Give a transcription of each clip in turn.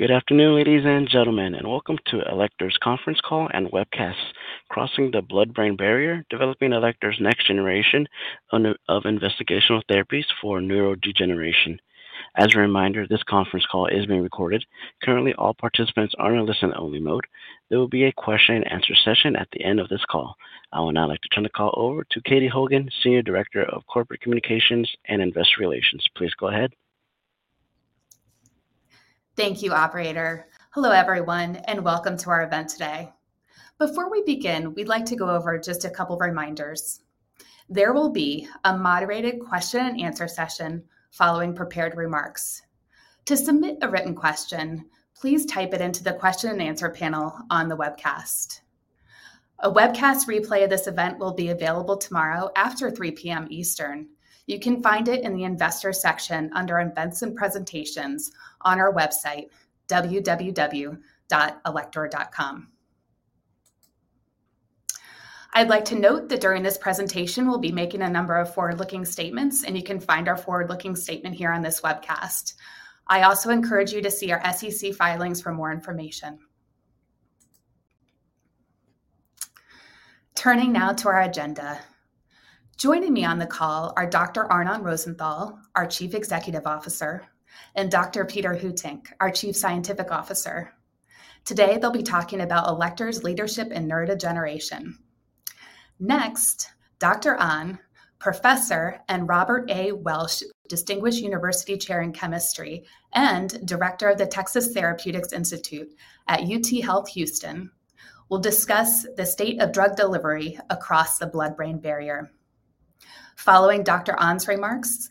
Good afternoon, ladies and gentlemen, and welcome to Alector conference call and webcast, Crossing the Blood-Brain Barrier: Developing Alector's Next Generation of Investigational Therapies for Neurodegeneration. As a reminder, this conference call is being recorded. Currently, all participants are in a listen-only mode. There will be a question and answer session at the end of this call. I would now like to turn the call over to Katie Hogan, Senior Director of Corporate Communications and Investor Relations. Please go ahead. Thank you, operator. Hello, everyone, and welcome to our event today. Before we begin, we'd like to go over just a couple of reminders. There will be a moderated question and answer session following prepared remarks. To submit a written question, please type it into the question and answer panel on the webcast. A webcast replay of this event will be available tomorrow after 3:00 P.M. Eastern. You can find it in the investor section under Events and Presentations on our website, www.alector.com. I'd like to note that during this presentation, we'll be making a number of forward-looking statements, and you can find our forward-looking statement here on this webcast. I also encourage you to see our SEC filings for more information. Turning now to our agenda. Joining me on the call are Dr. Arnon Rosenthal, our Chief Executive Officer, and Peter Heutink, our Chief Scientific Officer. Today, they'll be talking about Alector's leadership in neurodegeneration. Next, Dr. An, professor and Robert A. Welch Distinguished University Chair in Chemistry and Director of the Texas Therapeutics Institute at UTHealth Houston, will discuss the state of drug delivery across the blood-brain barrier. Following Dr. An's remarks,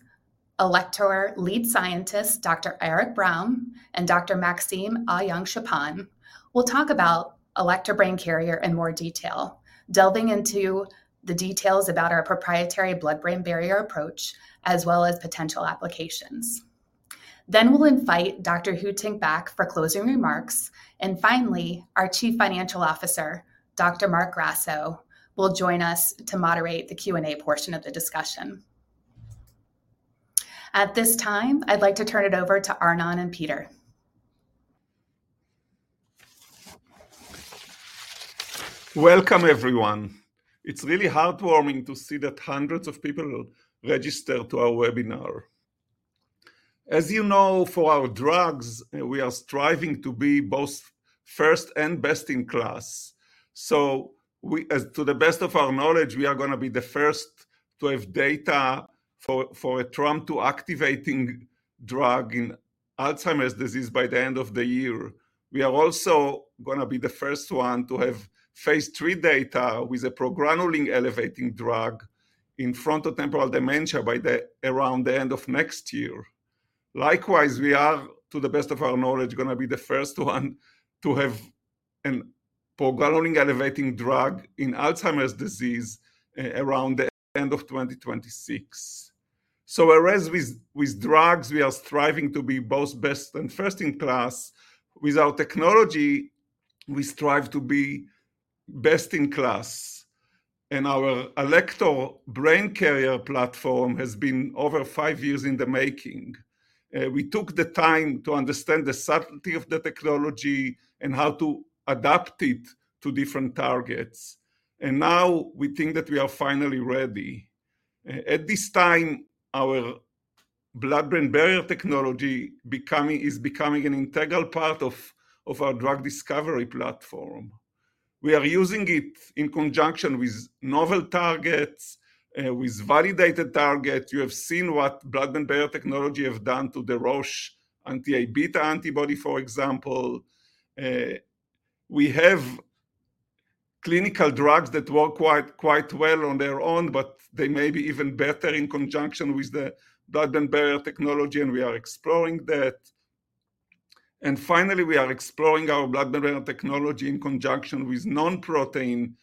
Alector Lead Scientist, Dr. Eric Brown, and Dr. Maxime Aillagon will talk about Alector Brain Carrier in more detail, delving into the details about our proprietary blood-brain barrier approach, as well as potential applications. Then we'll invite Dr. Peter back for closing remarks, and finally, our Chief Financial Officer, Dr. Marc Grasso, will join us to moderate the Q&A portion of the discussion. At this time, I'd like to turn it over to Arnon and Peter. Welcome, everyone. It's really heartwarming to see that hundreds of people registered to our webinar. As you know, for our drugs, we are striving to be both first and best in class. So, to the best of our knowledge, we are going to be the first to have data for a TREM2 activating drug in Alzheimer's disease by the end of the year. We are also going to be the first one to have Phase III data with a progranulin elevating drug in frontotemporal dementia by, around the end of next year. Likewise, we are, to the best of our knowledge, going to be the first one to have a progranulin elevating drug in Alzheimer's disease around the end of 2026. So whereas with, with drugs, we are striving to be both best and first in class, with our technology, we strive to be best in class, and our Alector Brain Carrier platform has been over five years in the making. We took the time to understand the subtlety of the technology and how to adapt it to different targets, and now we think that we are finally ready. At this time, our blood-brain barrier technology is becoming an integral part of our drug discovery platform. We are using it in conjunction with novel targets, with validated targets. You have seen what blood-brain barrier technology have done to the Roche anti-beta antibody, for example. We have clinical drugs that work quite, quite well on their own, but they may be even better in conjunction with the blood-brain barrier technology, and we are exploring that. And finally, we are exploring our blood-brain barrier technology in conjunction with non-protein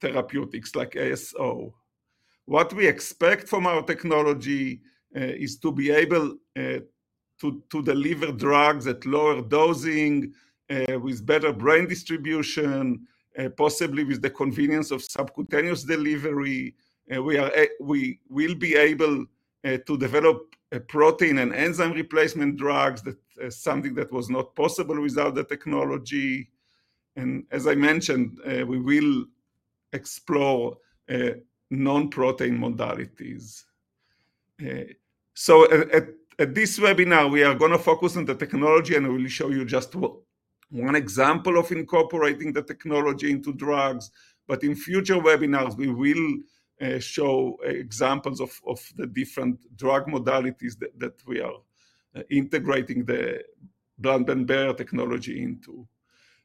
therapeutics, like ASO. What we expect from our technology is to be able to deliver drugs at lower dosing with better brain distribution, possibly with the convenience of subcutaneous delivery. We will be able to develop protein and enzyme replacement drugs, something that was not possible without the technology. And as I mentioned, we will explore non-protein modalities. So at this webinar, we are going to focus on the technology, and we will show you just one example of incorporating the technology into drugs. But in future webinars, we will show examples of the different drug modalities that we are integrating the blood-brain barrier technology into.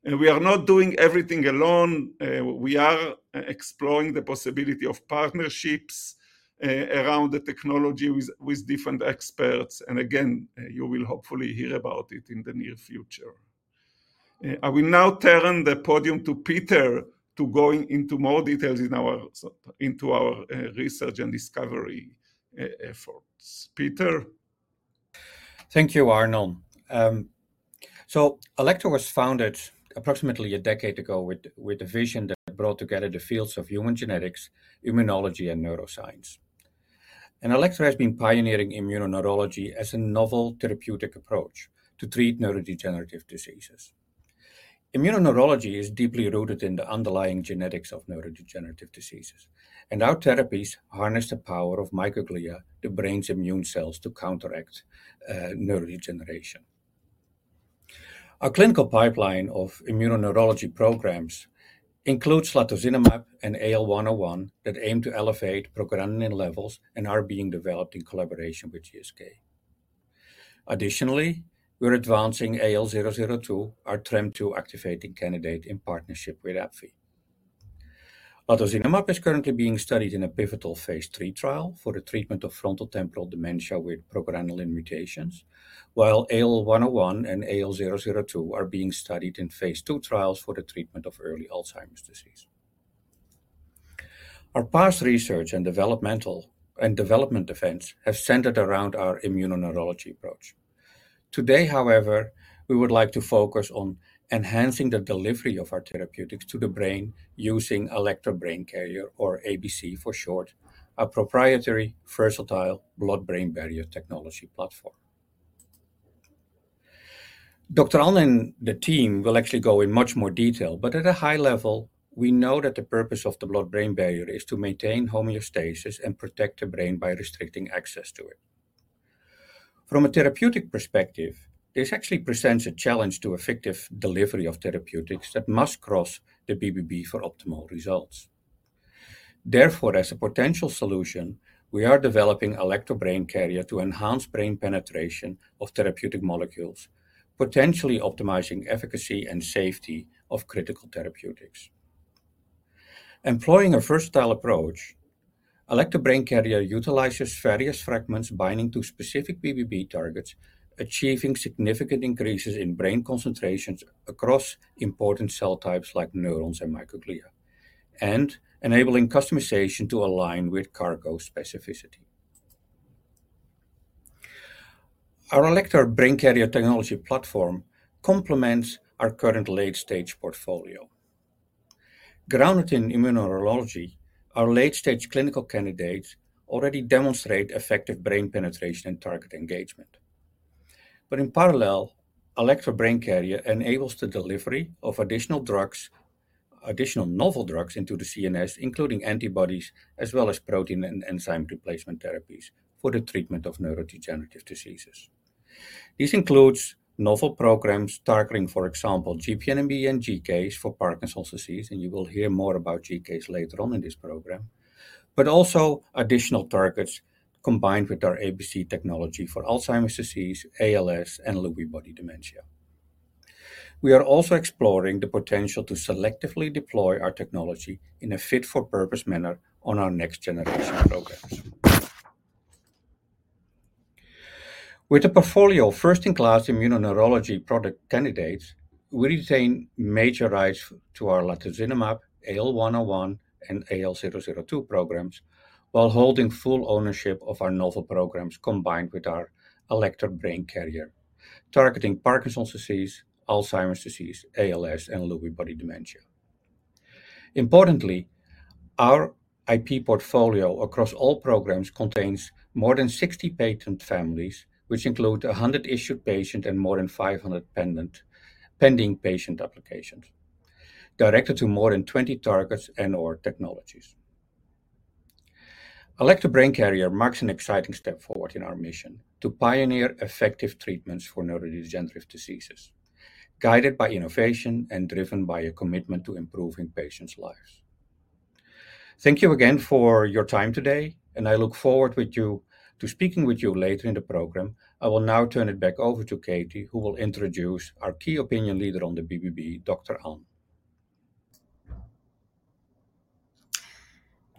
And we are not doing everything alone. We are exploring the possibility of partnerships around the technology with different experts, and again, you will hopefully hear about it in the near future. I will now turn the podium to Peter to go into more details into our research and discovery efforts. Peter? Thank you, Arnon. So Alector was founded approximately a decade ago with a vision that brought together the fields of human genetics, immunology, and neuroscience.... and Alector has been pioneering immunoneurology as a novel therapeutic approach to treat neurodegenerative diseases. Immunoneurology is deeply rooted in the underlying genetics of neurodegenerative diseases, and our therapies harness the power of microglia, the brain's immune cells, to counteract neurodegeneration. Our clinical pipeline of immunoneurology programs includes latozinemab and AL101 that aim to elevate progranulin levels and are being developed in collaboration with GSK. Additionally, we're advancing AL002, our TREM2 activating candidate, in partnership with AbbVie. Latozinemab is currently being studied in a pivotal phase III trial for the treatment of frontotemporal dementia with progranulin mutations, while AL101 and AL002 are being studied in phase II trials for the treatment of early Alzheimer's disease. Our past research and development events have centered around our immunoneurology approach. Today, however, we would like to focus on enhancing the delivery of our therapeutics to the brain using Alector Brain Carrier, or ABC for short, a proprietary, versatile blood-brain barrier technology platform. Dr. An and the team will actually go in much more detail, but at a high level, we know that the purpose of the blood-brain barrier is to maintain homeostasis and protect the brain by restricting access to it. From a therapeutic perspective, this actually presents a challenge to effective delivery of therapeutics that must cross the BBB for optimal results. Therefore, as a potential solution, we are developing Alector Brain Carrier to enhance brain penetration of therapeutic molecules, potentially optimizing efficacy and safety of critical therapeutics. Employing a versatile approach, Alector Brain Carrier utilizes various fragments binding to specific BBB targets, achieving significant increases in brain concentrations across important cell types like neurons and microglia, and enabling customization to align with cargo specificity. Our Alector Brain Carrier technology platform complements our current late-stage portfolio. Grounded in immunoneurology, our late-stage clinical candidates already demonstrate effective brain penetration and target engagement. But in parallel, Alector Brain Carrier enables the delivery of additional drugs, additional novel drugs into the CNS, including antibodies, as well as protein and enzyme replacement therapies for the treatment of neurodegenerative diseases. This includes novel programs targeting, for example, GPNMB and GCase for Parkinson's disease, and you will hear more about GCase later on in this program, but also additional targets combined with our ABC technology for Alzheimer's disease, ALS, and Lewy body dementia. We are also exploring the potential to selectively deploy our technology in a fit-for-purpose manner on our next generation programs. With a portfolio of first-in-class immunoneurology product candidates, we retain major rights to our latozinemab, AL101, and AL002 programs, while holding full ownership of our novel programs combined with our Alector Brain Carrier, targeting Parkinson's disease, Alzheimer's disease, ALS, and Lewy body dementia. Importantly, our IP portfolio across all programs contains more than 60 patent families, which include 100 issued patents and more than 500 pending patent applications, directed to more than 20 targets and/or technologies. Alector Brain Carrier marks an exciting step forward in our mission to pioneer effective treatments for neurodegenerative diseases, guided by innovation and driven by a commitment to improving patients' lives. Thank you again for your time today, and I look forward with you to speaking with you later in the program. I will now turn it back over to Katie, who will introduce our key opinion leader on the BBB, Dr. An.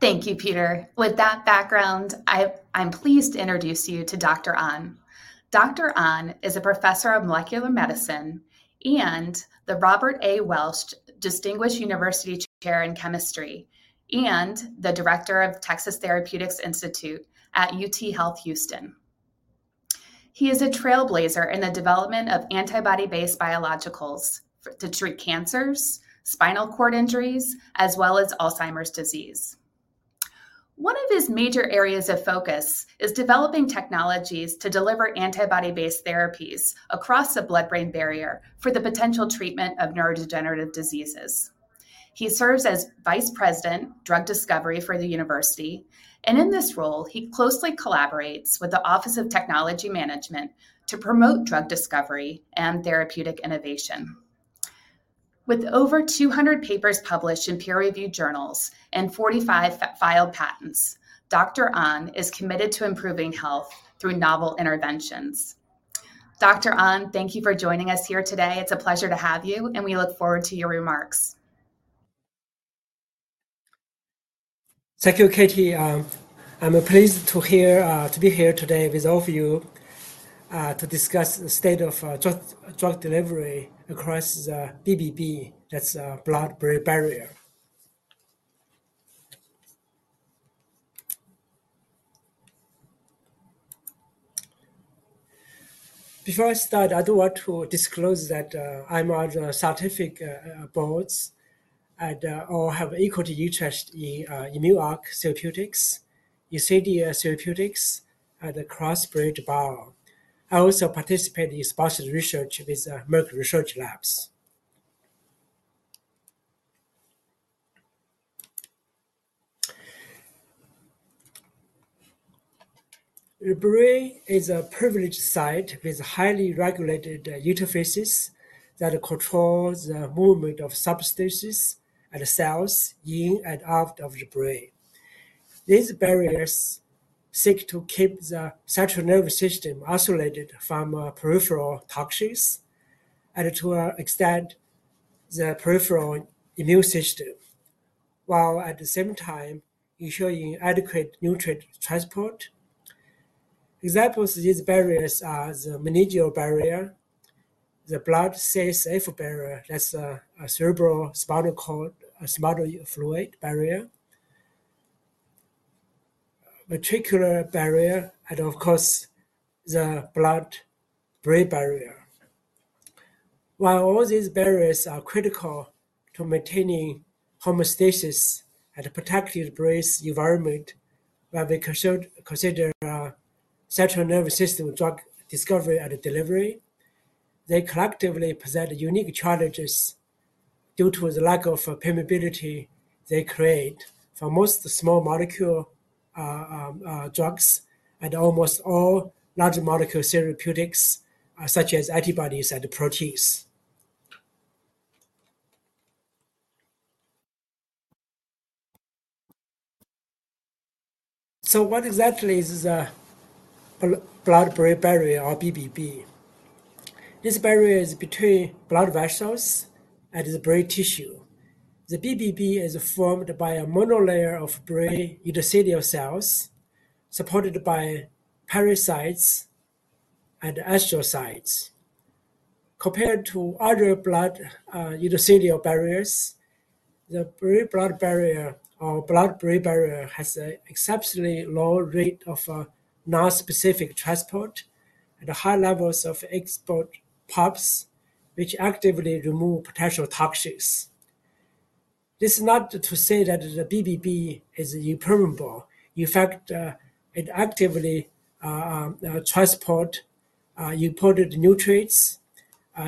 Thank you, Peter. With that background, I'm pleased to introduce you to Dr. An. Dr. An is a professor of molecular medicine and the Robert A. Welch Distinguished University Chair in Chemistry, and the director of Texas Therapeutics Institute at UTHealth Houston. He is a trailblazer in the development of antibody-based biologicals to treat cancers, spinal cord injuries, as well as Alzheimer's disease. One of his major areas of focus is developing technologies to deliver antibody-based therapies across the blood-brain barrier for the potential treatment of neurodegenerative diseases. He serves as Vice President, Drug Discovery for the university, and in this role, he closely collaborates with the Office of Technology Management to promote drug discovery and therapeutic innovation. With over 200 papers published in peer-reviewed journals and 45 filed patents, Dr. An is committed to improving health through novel interventions. Dr. An, thank you for joining us here today. It's a pleasure to have you, and we look forward to your remarks. Thank you, Katie. I'm pleased to be here today with all of you to discuss the state of drug delivery across the BBB. That's blood-brain barrier. Before I start, I do want to disclose that I'm on the scientific boards or have equity interest in Immune-Onc Therapeutics, Ecdys Therapeutics, and CrossBridge Bio. I also participate in sponsored research with Merck Research Labs. The brain is a privileged site with highly regulated interfaces that controls the movement of substances and cells in and out of the brain. These barriers seek to keep the central nervous system isolated from peripheral toxins, and to extend the peripheral immune system, while at the same time ensuring adequate nutrient transport. Examples of these barriers are the meningeal barrier, the blood-CSF barrier, that's a cerebral spinal cord spinal fluid barrier, ventricular barrier, and of course, the blood-brain barrier. While all these barriers are critical to maintaining homeostasis and protecting the brain's environment, when we consider central nervous system drug discovery and delivery, they collectively present unique challenges due to the lack of permeability they create for most small molecule drugs, and almost all large molecule therapeutics, such as antibodies and proteins. So what exactly is a blood-brain barrier or BBB? This barrier is between blood vessels and the brain tissue. The BBB is formed by a monolayer of brain endothelial cells, supported by pericytes and astrocytes. Compared to other blood endothelial barriers, the blood-brain barrier or blood-brain barrier has an exceptionally low rate of nonspecific transport and high levels of export pumps, which actively remove potential toxins. This is not to say that the BBB is impermeable. In fact, it actively transport imported nutrients,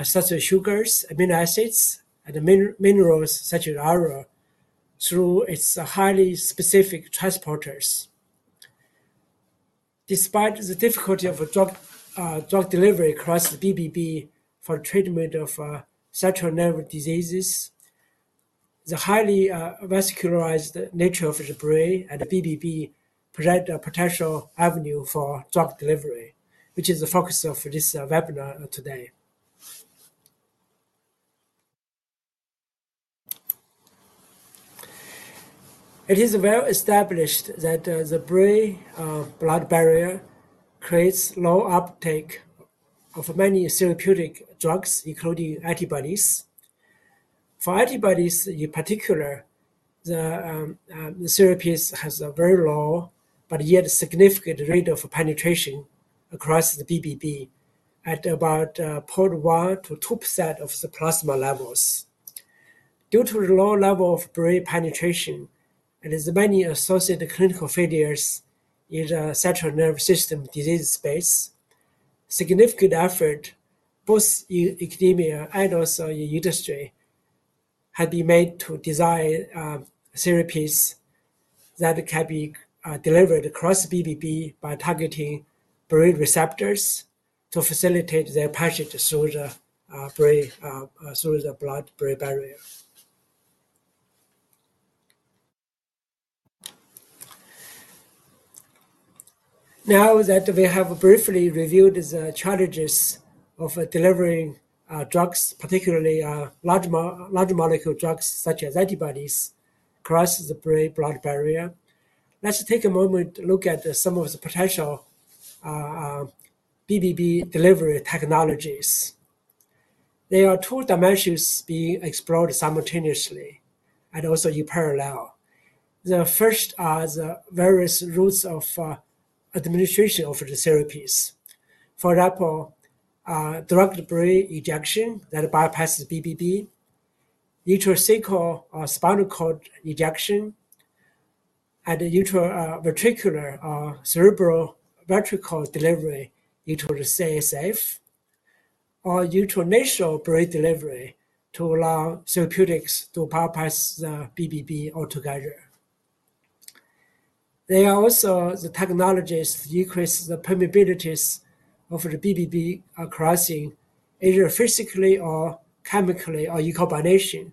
such as sugars, amino acids, and minerals such as iron, through its highly specific transporters. Despite the difficulty of drug delivery across the BBB for treatment of central nervous diseases, the highly vascularized nature of the brain and the BBB present a potential avenue for drug delivery, which is the focus of this webinar today. It is well established that the blood-brain barrier creates low uptake of many therapeutic drugs, including antibodies. For antibodies, in particular, the therapies has a very low, but yet significant rate of penetration across the BBB at about 0.1%-2% of the plasma levels. Due to the low level of brain penetration, and there's many associated clinical failures in the central nervous system disease space, significant effort, both in academia and also in industry, have been made to design therapies that can be delivered across BBB by targeting brain receptors to facilitate their passage through the brain through the blood-brain barrier. Now that we have briefly reviewed the challenges of delivering drugs, particularly, large molecule drugs such as antibodies, across the blood-brain barrier, let's take a moment to look at some of the potential BBB delivery technologies. There are two dimensions being explored simultaneously and also in parallel. The first are the various routes of administration of the therapies. For example, direct brain injection that bypasses BBB, intra-cerebral or spinal cord injection, and intra-ventricular cerebral ventricular delivery into the CSF, or intranasal brain delivery to allow therapeutics to bypass the BBB altogether. There are also the technologies to increase the permeabilities of the BBB are crossing, either physically or chemically or in combination,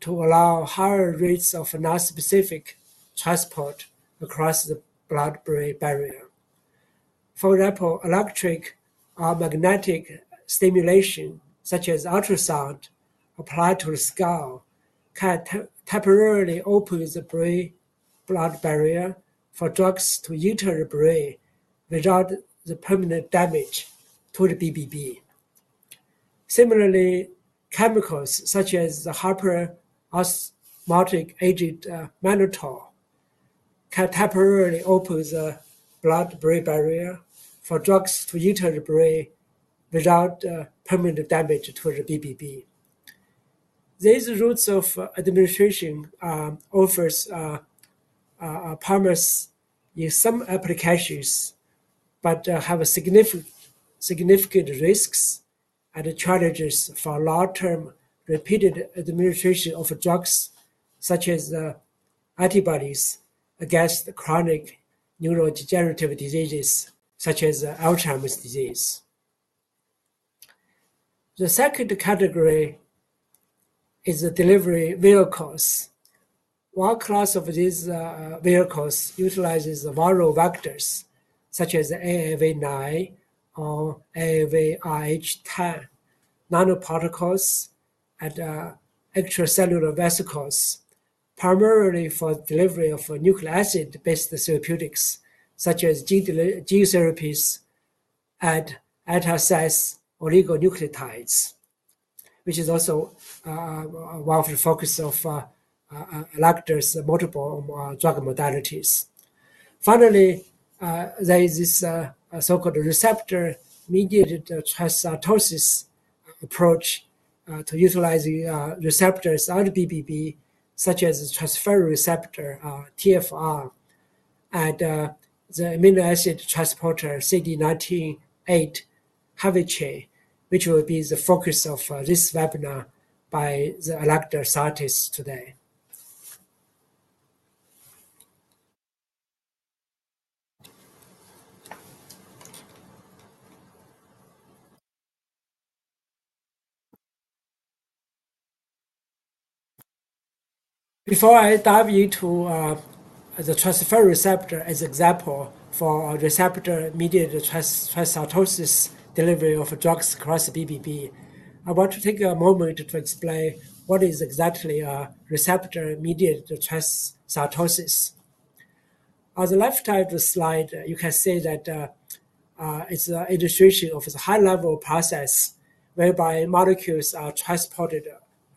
to allow higher rates of nonspecific transport across the blood-brain barrier. For example, electric or magnetic stimulation, such as ultrasound, applied to the skull, can temporarily open the blood-brain barrier for drugs to enter the brain without permanent damage to the BBB. Similarly, chemicals such as the hyperosmotic agent mannitol can temporarily open the blood-brain barrier for drugs to enter the brain without permanent damage to the BBB. These routes of administration offers a promise in some applications, but have a significant, significant risks and challenges for long-term, repeated administration of drugs, such as antibodies against chronic neurodegenerative diseases, such as Alzheimer's disease. The second category is the delivery vehicles. One class of these vehicles utilizes the viral vectors, such as AAV9 or AAV-rh10, nanoparticles, and extracellular vesicles, primarily for delivery of nucleic acid-based therapeutics, such as gene therapies and antisense oligonucleotides, which is also one of the focus of Alector's multiple drug modalities. Finally, there is this so-called receptor-mediated transcytosis approach to utilizing receptors on the BBB, such as the transferrin receptor, TFR, and the amino acid transporter CD98hc, which will be the focus of this webinar by the Alector scientists today. Before I dive into the transferrin receptor as example for receptor-mediated transcytosis delivery of drugs across the BBB, I want to take a moment to explain what is exactly a receptor-mediated transcytosis. On the left side of the slide, you can see that it's an illustration of the high-level process, whereby molecules are transported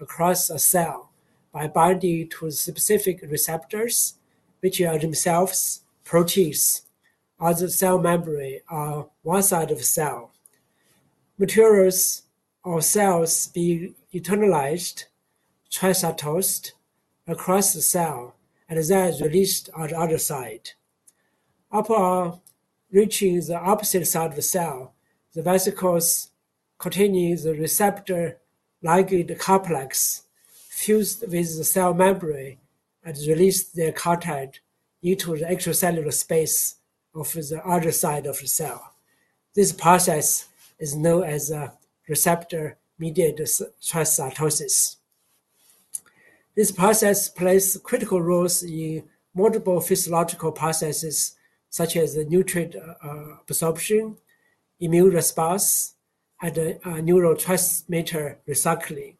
across a cell by binding to specific receptors, which are themselves proteins. On the cell membrane, on one side of the cell, materials or cells being internalized, transcytosed across the cell, and then released on the other side. Upon reaching the opposite side of the cell, the vesicles containing the receptor-ligand complex fused with the cell membrane and release their content into the extracellular space of the other side of the cell. This process is known as a receptor-mediated transcytosis. This process plays critical roles in multiple physiological processes, such as the nutrient absorption, immune response, and neurotransmitter recycling.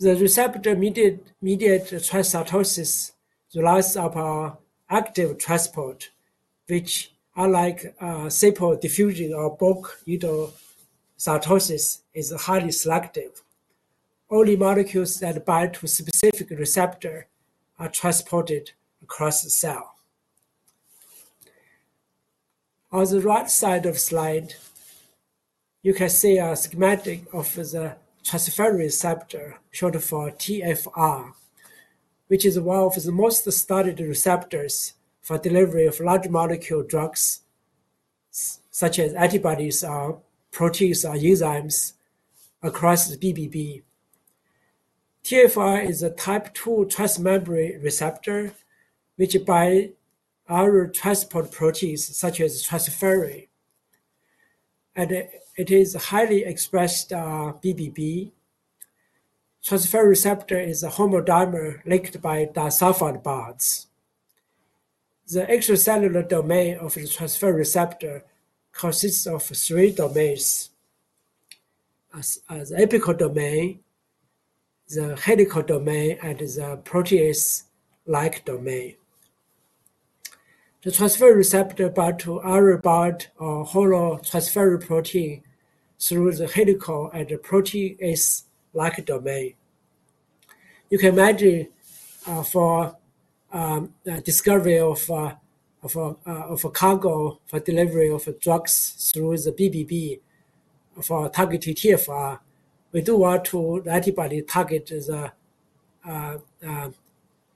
The receptor-mediated transcytosis relies upon active transport, which unlike simple diffusion or bulk endocytosis, is highly selective. Only molecules that bind to a specific receptor are transported across the cell. On the right side of slide, you can see a schematic of the transferrin receptor, short for TFR, which is one of the most studied receptors for delivery of large molecule drugs such as antibodies, or proteins, or enzymes across the BBB. TFR is a type II transmembrane receptor, bound by other transport proteins such as transferrin, and it is highly expressed on the BBB. Transferrin receptor is a homodimer linked by disulfide bonds. The extracellular domain of the transferrin receptor consists of three domains: an apical domain, the helical domain, and the protease-like domain. The transferrin receptor bind to iron-bound or hollow transferrin protein through the helical and the protease-like domain. You can imagine, for the discovery of a cargo for delivery of drugs through the BBB for targeted TFR, we do want to the antibody target is the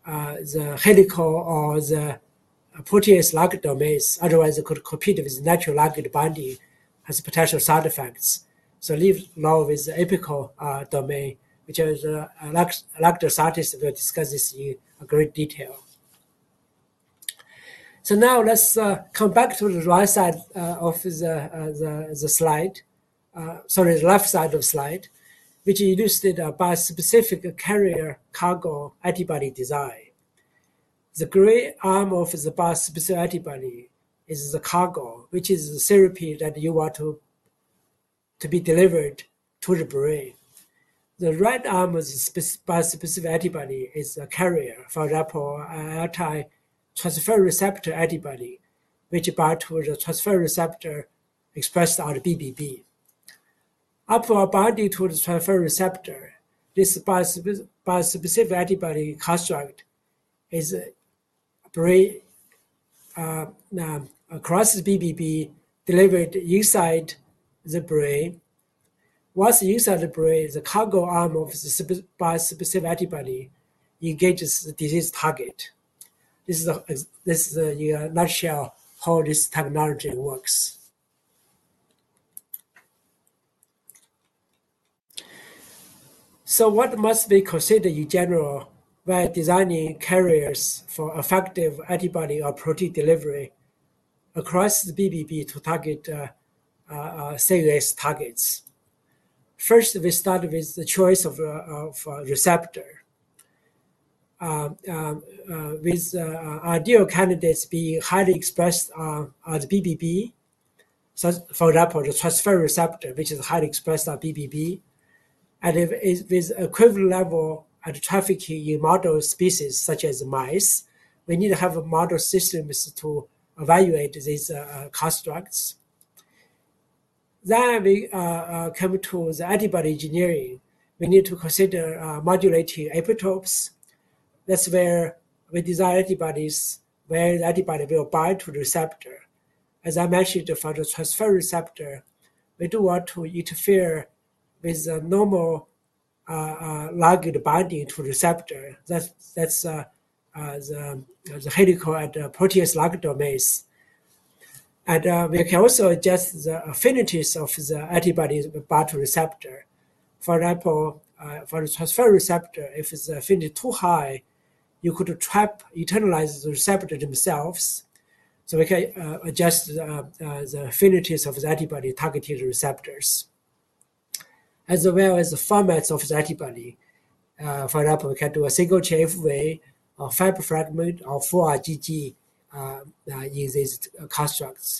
helical or the protease-like domains. Otherwise, it could compete with natural ligand binding as potential side effects. So let's now with the apical domain, which is Alector's. Alector's scientists will discuss this in great detail. So now let's come back to the right side of the slide. Sorry, the left side of slide, which illustrated a bispecific carrier cargo antibody design. The gray arm of the bispecific antibody is the cargo, which is the therapy that you want to be delivered to the brain.... The right arm with bispecific antibody is a carrier. For example, an anti-transferrin receptor antibody, which bind to the transferrin receptor expressed on the BBB. After binding to the transferrin receptor, this bispecific antibody construct is now delivered across the BBB inside the brain. Once inside the brain, the cargo arm of the bispecific antibody engages the disease target. This is the nutshell how this technology works. So what must we consider in general when designing carriers for effective antibody or protein delivery across the BBB to target CNS targets? First, we start with the choice of receptor. With ideal candidates being highly expressed on the BBB. So for example, the transferrin receptor, which is highly expressed on BBB, and if it with equivalent level and trafficking in model species such as mice, we need to have model systems to evaluate these constructs. Then we come to the antibody engineering. We need to consider modulating epitopes. That's where we design antibodies, where the antibody will bind to the receptor. As I mentioned, for the transferrin receptor, we do want to interfere with the normal ligand binding to the receptor. That's the helix and protease ligand domains. And we can also adjust the affinities of the antibodies bound to receptor. For example, for the transferrin receptor, if its affinity too high, you could trap, internalize the receptor themselves. So we can adjust the affinities of the antibody-targeted receptors, as well as the formats of the antibody. For example, we can do a single chain variable, or Fab fragment, or full IgG, in these constructs.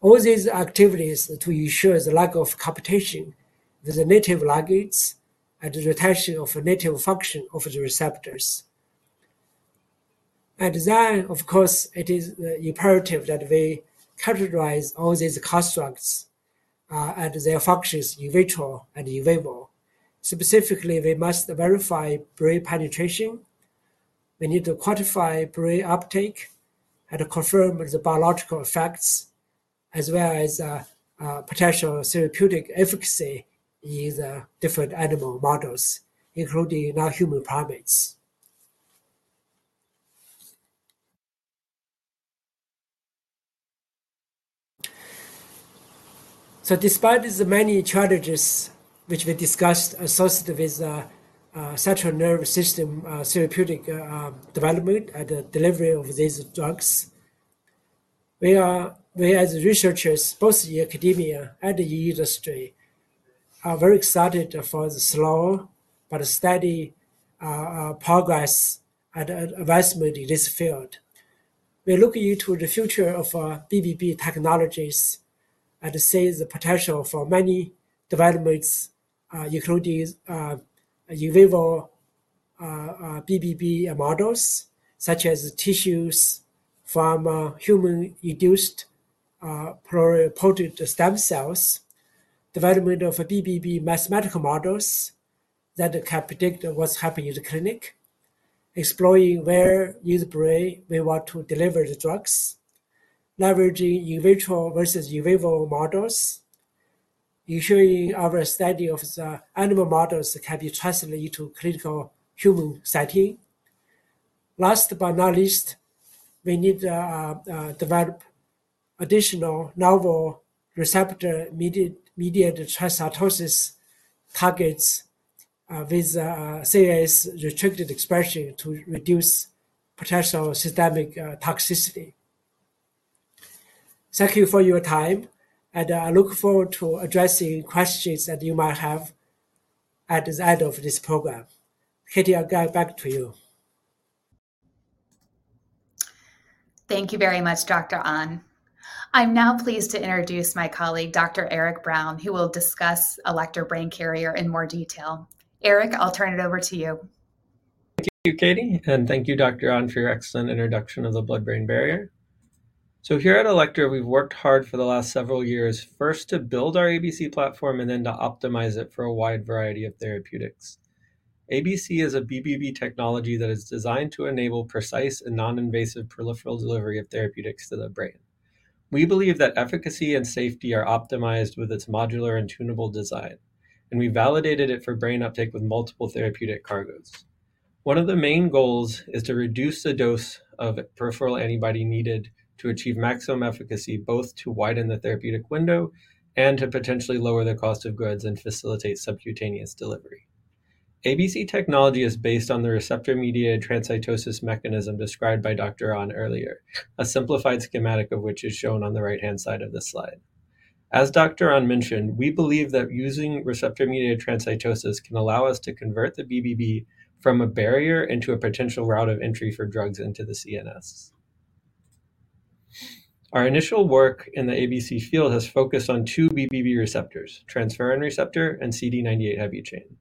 All these activities to ensure the lack of competition with the native ligands and retention of native function of the receptors. And then, of course, it is imperative that we characterize all these constructs, and their functions in vitro and in vivo. Specifically, we must verify brain penetration. We need to quantify brain uptake and confirm the biological effects, as well as potential therapeutic efficacy in the different animal models, including non-human primates. So despite the many challenges which we discussed associated with central nervous system therapeutic development and the delivery of these drugs, we as researchers, both in academia and the industry, are very excited for the slow but steady progress and advancement in this field. We are looking into the future of BBB technologies and see the potential for many developments, including in vivo BBB models, such as tissues from human-induced pluripotent stem cells, development of BBB mathematical models that can predict what's happening in the clinic, exploring where in the brain we want to deliver the drugs, leveraging in vitro versus in vivo models, ensuring our study of the animal models can be translated to clinical human setting. Last but not least, we need to develop additional novel receptor-mediated transcytosis targets with CNS-restricted expression to reduce potential systemic toxicity. Thank you for your time, and I look forward to addressing questions that you might have at the end of this program. Katie, I'll give it back to you. Thank you very much, Dr. An. I'm now pleased to introduce my colleague, Dr. Eric Brown, who will discuss Alector Brain Carrier in more detail. Eric, I'll turn it over to you. Thank you, Katie, and thank you, Dr. An, for your excellent introduction of the blood-brain barrier. So here at Alector, we've worked hard for the last several years, first to build our ABC platform and then to optimize it for a wide variety of therapeutics. ABC is a BBB technology that is designed to enable precise and non-invasive peripheral delivery of therapeutics to the brain. We believe that efficacy and safety are optimized with its modular and tunable design, and we validated it for brain uptake with multiple therapeutic cargos. One of the main goals is to reduce the dose of peripheral antibody needed to achieve maximum efficacy, both to widen the therapeutic window and to potentially lower the cost of goods and facilitate subcutaneous delivery. ABC technology is based on the receptor-mediated transcytosis mechanism described by Dr. An earlier, a simplified schematic of which is shown on the right-hand side of this slide. As Dr. An mentioned, we believe that using receptor-mediated transcytosis can allow us to convert the BBB from a barrier into a potential route of entry for drugs into the CNS... Our initial work in the ABC field has focused on two BBB receptors: transferrin receptor and CD98 heavy chain.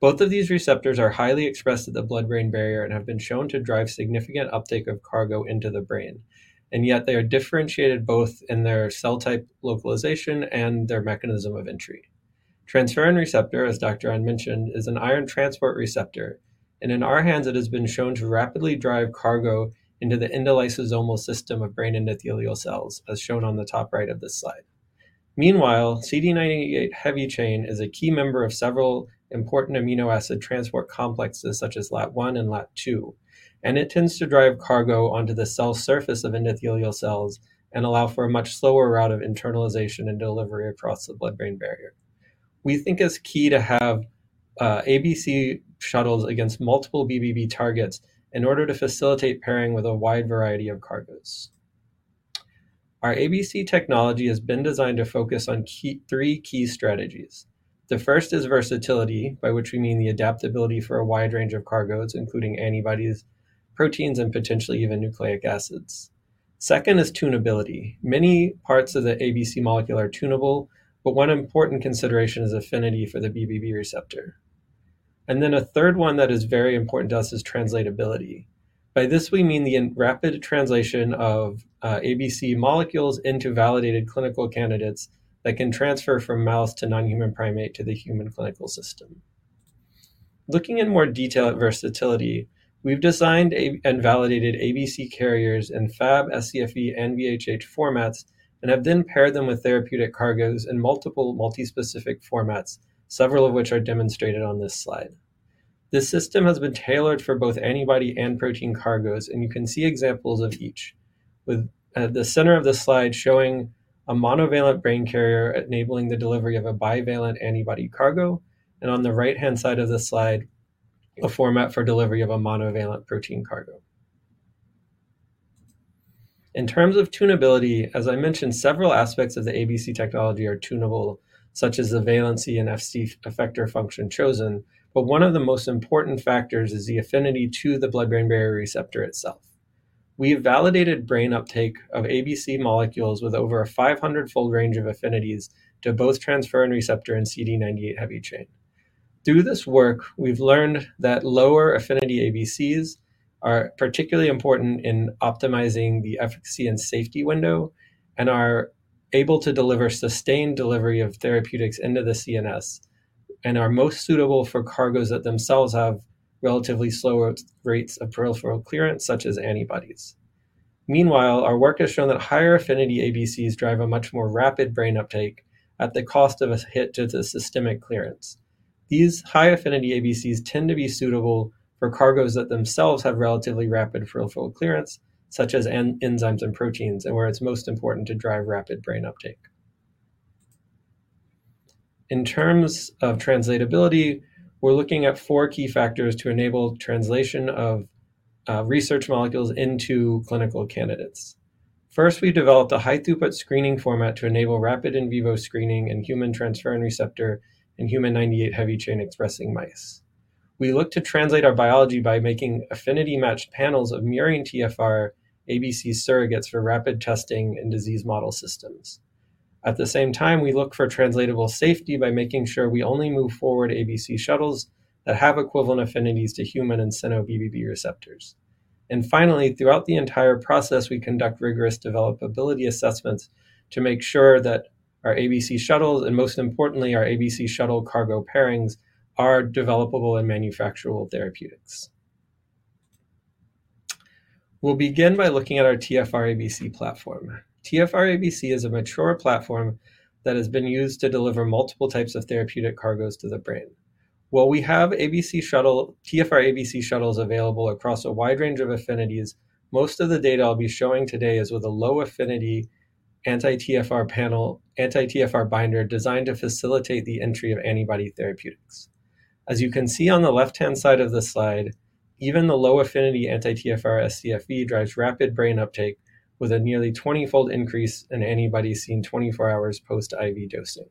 Both of these receptors are highly expressed at the blood-brain barrier and have been shown to drive significant uptake of cargo into the brain, and yet they are differentiated both in their cell type localization and their mechanism of entry. Transferrin receptor, as Dr. An mentioned, is an iron transport receptor, and in our hands, it has been shown to rapidly drive cargo into the endolysosomal system of brain endothelial cells, as shown on the top right of this slide. Meanwhile, CD98 heavy chain is a key member of several important amino acid transport complexes, such as LAT1 and LAT2, and it tends to drive cargo onto the cell surface of endothelial cells and allow for a much slower route of internalization and delivery across the blood-brain barrier. We think it's key to have ABC shuttles against multiple BBB targets in order to facilitate pairing with a wide variety of cargos. Our ABC technology has been designed to focus on three key strategies. The first is versatility, by which we mean the adaptability for a wide range of cargos, including antibodies, proteins, and potentially even nucleic acids. Second is tunability. Many parts of the ABC molecule are tunable, but one important consideration is affinity for the BBB receptor. And then a third one that is very important to us is translatability. By this we mean in rapid translation of ABC molecules into validated clinical candidates that can transfer from mouse to non-human primate to the human clinical system. Looking in more detail at versatility, we've designed and validated ABC carriers in Fab, scFv, and VHH formats, and have then paired them with therapeutic cargos in multiple multi-specific formats, several of which are demonstrated on this slide. This system has been tailored for both antibody and protein cargos, and you can see examples of each. With at the center of this slide showing a monovalent brain carrier enabling the delivery of a bivalent antibody cargo, and on the right-hand side of the slide, a format for delivery of a monovalent protein cargo. In terms of tunability, as I mentioned, several aspects of the ABC technology are tunable, such as the valency and Fc effector function chosen, but one of the most important factors is the affinity to the blood-brain barrier receptor itself. We have validated brain uptake of ABC molecules with over a 500-fold range of affinities to both transferrin receptor and CD98 heavy chain. Through this work, we've learned that lower affinity ABCs are particularly important in optimizing the efficacy and safety window, and are able to deliver sustained delivery of therapeutics into the CNS, and are most suitable for cargos that themselves have relatively slower rates of peripheral clearance, such as antibodies. Meanwhile, our work has shown that higher affinity ABCs drive a much more rapid brain uptake at the cost of a hit to the systemic clearance. These high-affinity ABCs tend to be suitable for cargos that themselves have relatively rapid peripheral clearance, such as enzymes and proteins, and where it's most important to drive rapid brain uptake. In terms of translatability, we're looking at four key factors to enable translation of research molecules into clinical candidates. First, we developed a high-throughput screening format to enable rapid in vivo screening in human transferrin receptor and human CD98 heavy chain-expressing mice. We look to translate our biology by making affinity-matched panels of murine TFR, ABC surrogates for rapid testing and disease model systems. At the same time, we look for translatable safety by making sure we only move forward ABC shuttles that have equivalent affinities to human and cyno BBB receptors. And finally, throughout the entire process, we conduct rigorous developability assessments to make sure that our ABC shuttles, and most importantly, our ABC shuttle cargo pairings, are developable and manufacturable therapeutics. We'll begin by looking at our TFR ABC platform. TFR ABC is a mature platform that has been used to deliver multiple types of therapeutic cargos to the brain. While we have ABC shuttle, TFR ABC shuttles available across a wide range of affinities, most of the data I'll be showing today is with a low-affinity anti-TFR panel, anti-TFR binder designed to facilitate the entry of antibody therapeutics. As you can see on the left-hand side of the slide, even the low-affinity anti-TFR scFv drives rapid brain uptake with a nearly 20-fold increase in antibody seen 24 hours post-IV dosing.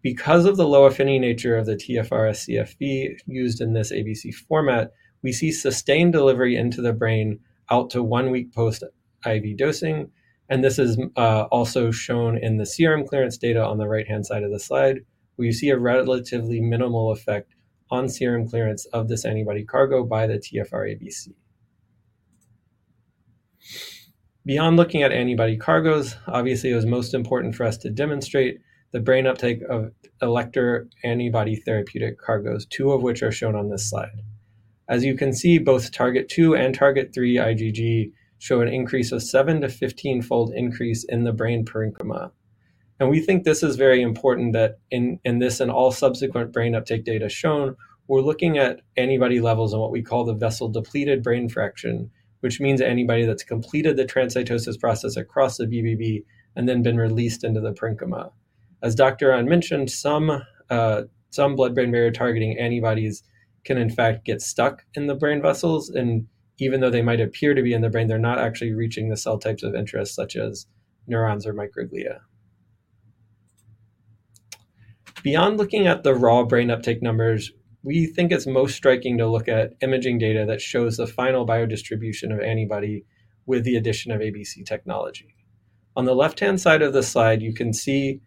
Because of the low affinity nature of the TFR scFv used in this ABC format, we see sustained delivery into the brain out to one week post-IV dosing, and this is also shown in the serum clearance data on the right-hand side of the slide, where you see a relatively minimal effect on serum clearance of this antibody cargo by the TFR ABC. Beyond looking at antibody cargos, obviously, it was most important for us to demonstrate the brain uptake of Alector antibody therapeutic cargos, two of which are shown on this slide. As you can see, both target two and target three IgG show an increase of seven to 15-fold increase in the brain parenchyma. We think this is very important that in this and all subsequent brain uptake data shown, we're looking at antibody levels in what we call the vessel-depleted brain fraction, which means anybody that's completed the transcytosis process across the BBB and then been released into the parenchyma. As Dr. An mentioned, some blood-brain barrier-targeting antibodies can, in fact, get stuck in the brain vessels, and even though they might appear to be in the brain, they're not actually reaching the cell types of interest, such as neurons or microglia. Beyond looking at the raw brain uptake numbers, we think it's most striking to look at imaging data that shows the final biodistribution of antibody with the addition of ABC technology. On the left-hand side of the slide, you can see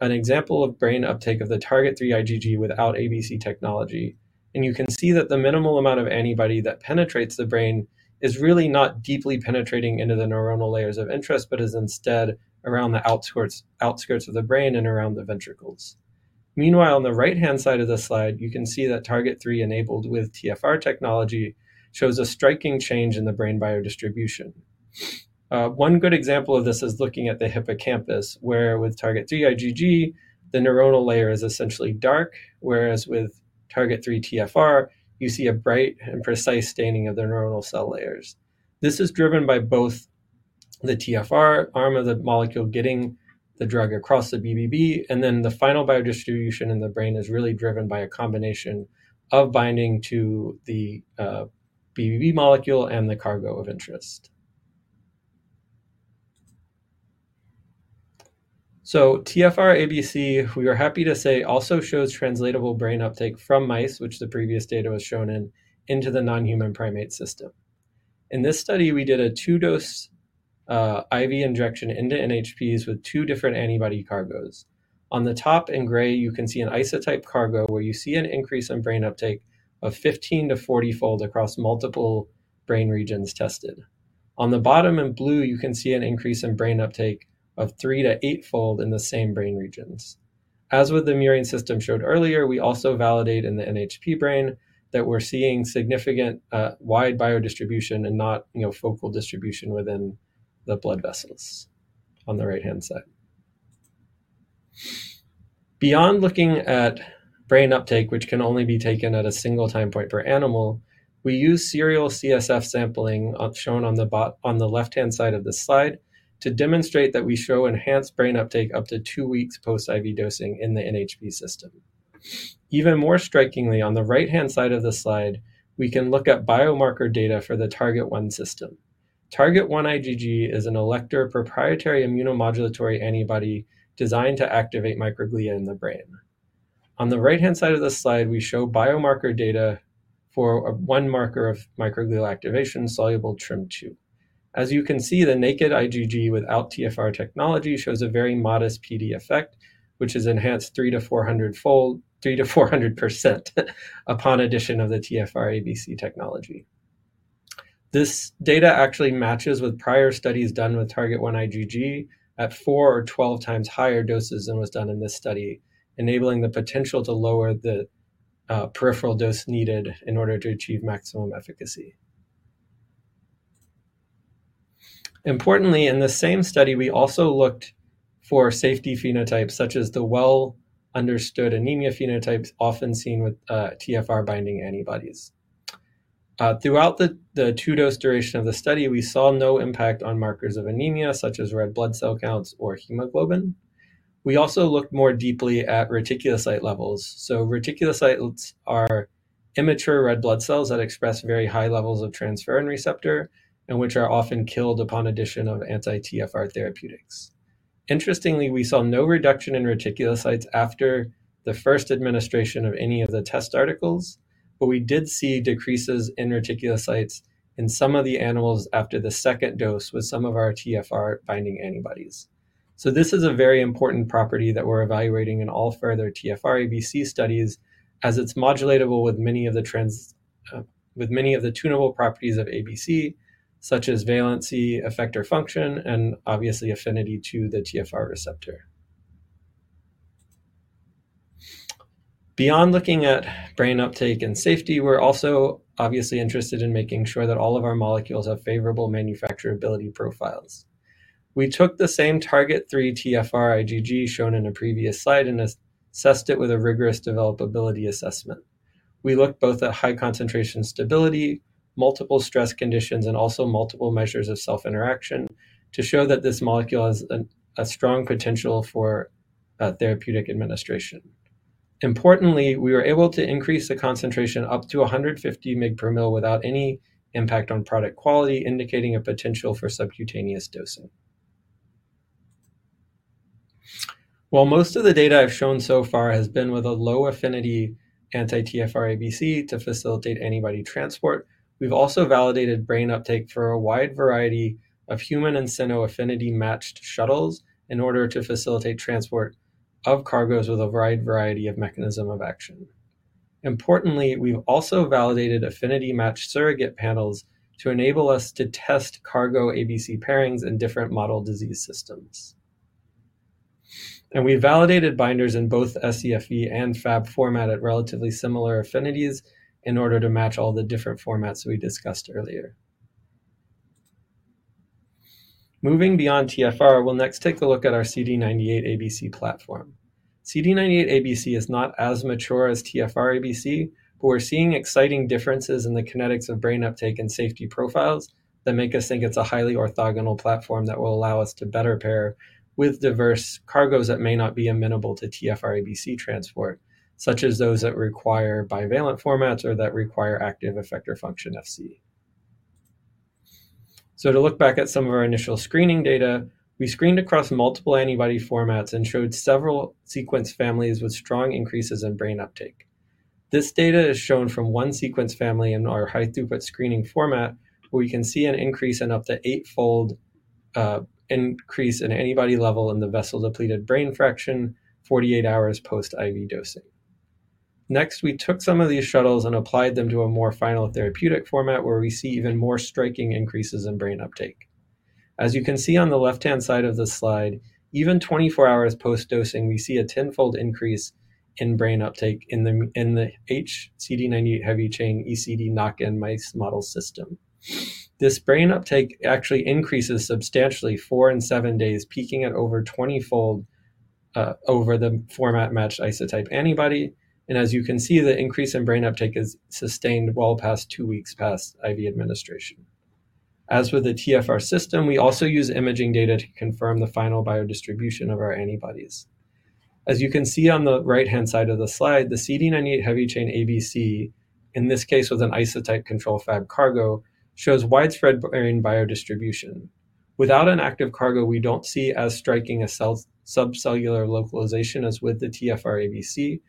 an example of brain uptake of the Target3 IgG without ABC technology, and you can see that the minimal amount of antibody that penetrates the brain is really not deeply penetrating into the neuronal layers of interest, but is instead around the outskirts, outskirts of the brain and around the ventricles. Meanwhile, on the right-hand side of the slide, you can see that Target3 enabled with TFR technology shows a striking change in the brain biodistribution. One good example of this is looking at the hippocampus, where with Target3 IgG, the neuronal layer is essentially dark, whereas with Target3 TFR, you see a bright and precise staining of the neuronal cell layers. This is driven by both the TFR arm of the molecule getting the drug across the BBB, and then the final biodistribution in the brain is really driven by a combination of binding to the BBB molecule and the cargo of interest. So TFR-ABC, we are happy to say, also shows translatable brain uptake from mice, which the previous data was shown in, into the non-human primate system. In this study, we did a two-dose IV injection into NHPs with two different antibody cargos. On the top in gray, you can see an increase in brain uptake of 15- to 40-fold across multiple brain regions tested. On the bottom in blue, you can see an increase in brain uptake of three to 8-fold in the same brain regions. As with the murine system showed earlier, we also validate in the NHP brain that we're seeing significant, wide biodistribution and not, you know, focal distribution within the blood vessels on the right-hand side. Beyond looking at brain uptake, which can only be taken at a single time point per animal, we use serial CSF sampling, shown on the left-hand side of this slide, to demonstrate that we show enhanced brain uptake up to two weeks post-IV dosing in the NHP system. Even more strikingly, on the right-hand side of the slide, we can look at biomarker data for the Target 1 system. Target1 IgG is an Alector proprietary immunomodulatory antibody designed to activate microglia in the brain. On the right-hand side of this slide, we show biomarker data for one marker of microglial activation, soluble TREM2. As you can see, the naked IgG without TFR technology shows a very modest PD effect, which is enhanced 300- to 400-fold, 300%-400%, upon addition of the TFR-ABC technology. This data actually matches with prior studies done with Target1 IgG at four or 12 times higher doses than was done in this study, enabling the potential to lower the peripheral dose needed in order to achieve maximum efficacy. Importantly, in the same study, we also looked for safety phenotypes, such as the well-understood anemia phenotypes often seen with TFR-binding antibodies. Throughout the two-dose duration of the study, we saw no impact on markers of anemia, such as red blood cell counts or hemoglobin. We also looked more deeply at reticulocyte levels. So reticulocytes are immature red blood cells that express very high levels of transferrin receptor and which are often killed upon addition of anti-TFR therapeutics. Interestingly, we saw no reduction in reticulocytes after the first administration of any of the test articles, but we did see decreases in reticulocytes in some of the animals after the second dose with some of our TFR-binding antibodies. So this is a very important property that we're evaluating in all further TFR-ABC studies, as it's modulatable with many of the tunable properties of ABC, such as valency, effector function, and obviously affinity to the TFR receptor. Beyond looking at brain uptake and safety, we're also obviously interested in making sure that all of our molecules have favorable manufacturability profiles. We took the same Target3 TFR IgG shown in a previous slide and assessed it with a rigorous developability assessment. We looked both at high concentration stability, multiple stress conditions, and also multiple measures of self-interaction to show that this molecule has a strong potential for therapeutic administration. Importantly, we were able to increase the concentration up to 150 mg per ml without any impact on product quality, indicating a potential for subcutaneous dosing. While most of the data I've shown so far has been with a low-affinity anti-TFR-ABC to facilitate antibody transport, we've also validated brain uptake for a wide variety of human and cyno affinity-matched shuttles in order to facilitate transport of cargos with a wide variety of mechanism of action. Importantly, we've also validated affinity-matched surrogate panels to enable us to test cargo ABC pairings in different model disease systems. We validated binders in both ScFv and Fab format at relatively similar affinities in order to match all the different formats we discussed earlier. Moving beyond TFR, we'll next take a look at our CD98 ABC platform. CD98 ABC is not as mature as TFR ABC, but we're seeing exciting differences in the kinetics of brain uptake and safety profiles that make us think it's a highly orthogonal platform that will allow us to better pair with diverse cargos that may not be amenable to TFR ABC transport, such as those that require bivalent formats or that require active effector function Fc.... To look back at some of our initial screening data, we screened across multiple antibody formats and showed several sequence families with strong increases in brain uptake. This data is shown from 1 sequence family in our high-throughput screening format, where we can see an increase in up to eight-fold increase in antibody level in the vessel-depleted brain fraction, 48 hours post-IV dosing. Next, we took some of these shuttles and applied them to a more final therapeutic format, where we see even more striking increases in brain uptake. As you can see on the left-hand side of the slide, even 24 hours post-dosing, we see a 10-fold increase in brain uptake in the hCD98 heavy chain, ECD knock-in mice model system. This brain uptake actually increases substantially four and seven days, peaking at over 20-fold over the format-matched isotype antibody. And as you can see, the increase in brain uptake is sustained well past two weeks past IV administration. As with the TFR system, we also use imaging data to confirm the final biodistribution of our antibodies. As you can see on the right-hand side of the slide, the CD98 heavy chain ABC, in this case, with an isotype control Fab cargo, shows widespread brain biodistribution. Without an active cargo, we don't see as striking a subcellular localization as with the TFR-ABC.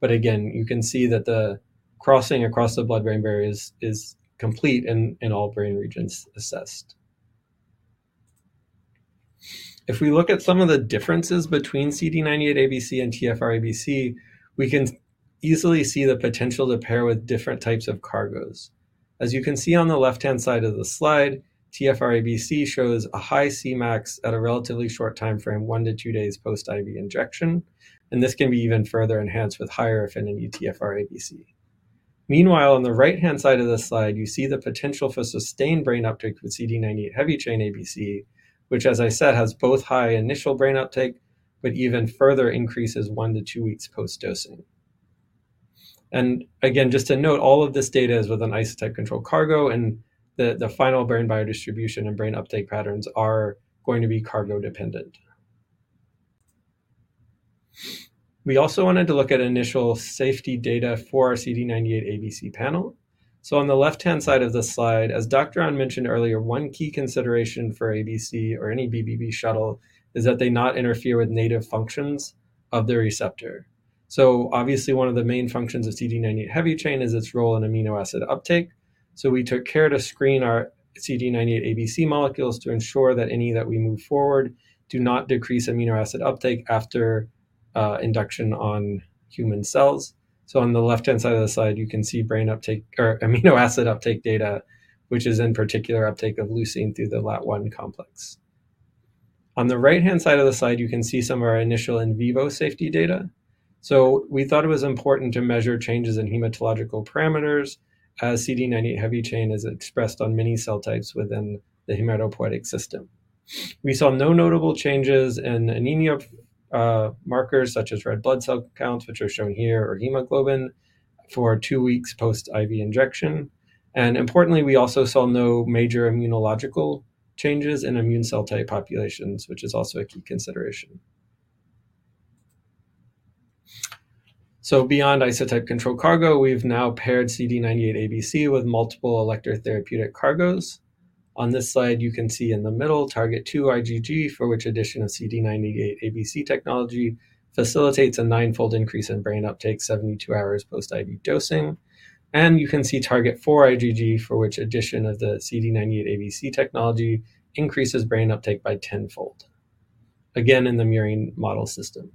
But again, you can see that the crossing across the blood-brain barrier is complete in all brain regions assessed. If we look at some of the differences between CD98 ABC and TFR ABC, we can easily see the potential to pair with different types of cargos. As you can see on the left-hand side of the slide, TFR-ABC shows a high Cmax at a relatively short time frame, one to two days post-IV injection, and this can be even further enhanced with higher affinity TFR-ABC. Meanwhile, on the right-hand side of the slide, you see the potential for sustained brain uptake with CD98 heavy chain ABC, which, as I said, has both high initial brain uptake, but even further increases one to two weeks post-dosing. And again, just to note, all of this data is with an isotype control cargo, and the final brain biodistribution and brain uptake patterns are going to be cargo dependent. We also wanted to look at initial safety data for our CD98 ABC panel. So on the left-hand side of this slide, as Dr. An mentioned earlier, one key consideration for ABC or any BBB shuttle is that they not interfere with native functions of the receptor. So obviously, one of the main functions of CD98 heavy chain is its role in amino acid uptake. So we took care to screen our CD98 ABC molecules to ensure that any that we move forward do not decrease amino acid uptake after induction on human cells. So on the left-hand side of the slide, you can see brain uptake or amino acid uptake data, which is in particular uptake of leucine through the LAT1 complex. On the right-hand side of the slide, you can see some of our initial in vivo safety data. So we thought it was important to measure changes in hematological parameters, as CD98 heavy chain is expressed on many cell types within the hematopoietic system. We saw no notable changes in anemia, markers such as red blood cell counts, which are shown here, or hemoglobin for two weeks post-IV injection. Importantly, we also saw no major immunological changes in immune cell type populations, which is also a key consideration. Beyond isotype control cargo, we've now paired CD98 ABC with multiple electrotherapeutic cargos. On this slide, you can see in the middle, Target 2 IgG, for which addition of CD98 ABC technology facilitates a ninefold increase in brain uptake, 72 hours post-IV dosing. You can see Target 4 IgG, for which addition of the CD98 ABC technology increases brain uptake by tenfold. Again, in the murine model system.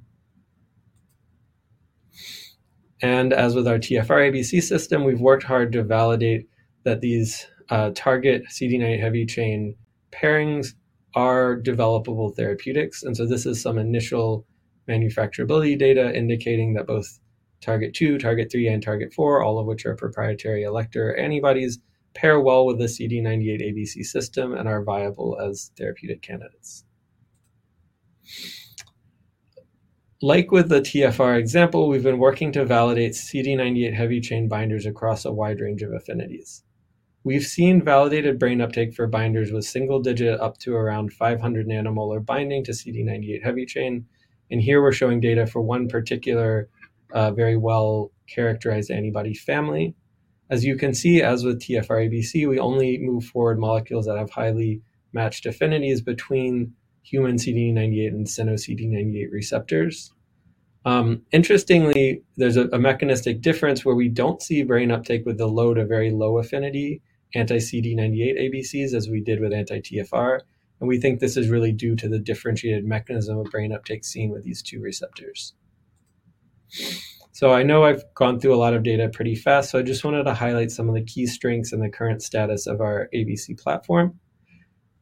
As with our TFR ABC system, we've worked hard to validate that these target CD98 heavy chain pairings are developable therapeutics. This is some initial manufacturability data indicating that both Target 2, Target 3, and Target 4, all of which are proprietary Alector antibodies, pair well with the CD98 ABC system and are viable as therapeutic candidates. Like with the TFR example, we've been working to validate CD98 heavy chain binders across a wide range of affinities. We've seen validated brain uptake for binders with single digit up to around 500 nanomolar binding to CD98 heavy chain. And here we're showing data for one particular, very well-characterized antibody family. As you can see, as with TFR-ABC, we only move forward molecules that have highly matched affinities between human CD98 and cyno CD98 receptors. Interestingly, there's a mechanistic difference where we don't see brain uptake with the load of very low affinity, anti-CD98 ABCs, as we did with anti-TFR, and we think this is really due to the differentiated mechanism of brain uptake seen with these two receptors. So I know I've gone through a lot of data pretty fast, so I just wanted to highlight some of the key strengths in the current status of our ABC platform.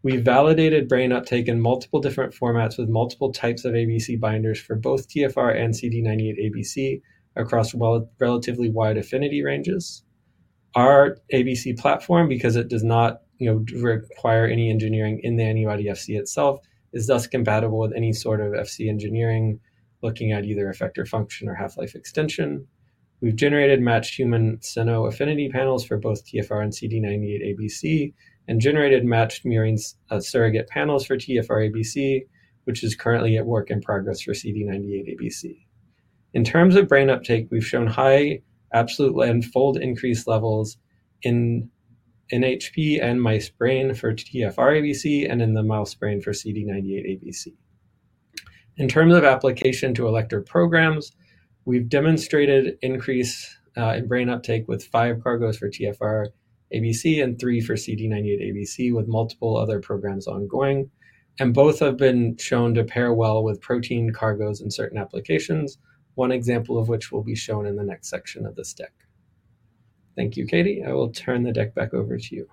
We've validated brain uptake in multiple different formats with multiple types of ABC binders for both TFR and CD98 ABC across, relatively wide affinity ranges. Our ABC platform, because it does not, you know, require any engineering in the antibody Fc itself, is thus compatible with any sort of Fc engineering, looking at either effector function or half-life extension. We've generated matched human cyno affinity panels for both TFR and CD98 ABC, and generated matched murine surrogate panels for TFR-ABC, which is currently a work in progress for CD98 ABC. In terms of brain uptake, we've shown high absolute and fold increased levels in NHP and mice brain for TFR-ABC, and in the mouse brain for CD98-ABC. In terms of application to Alector programs, we've demonstrated increase in brain uptake with five cargos for TFR-ABC and three for CD98-ABC, with multiple other programs ongoing, and both have been shown to pair well with protein cargos in certain applications. One example of which will be shown in the next section of this deck. Thank you, Katie. I will turn the deck back over to you.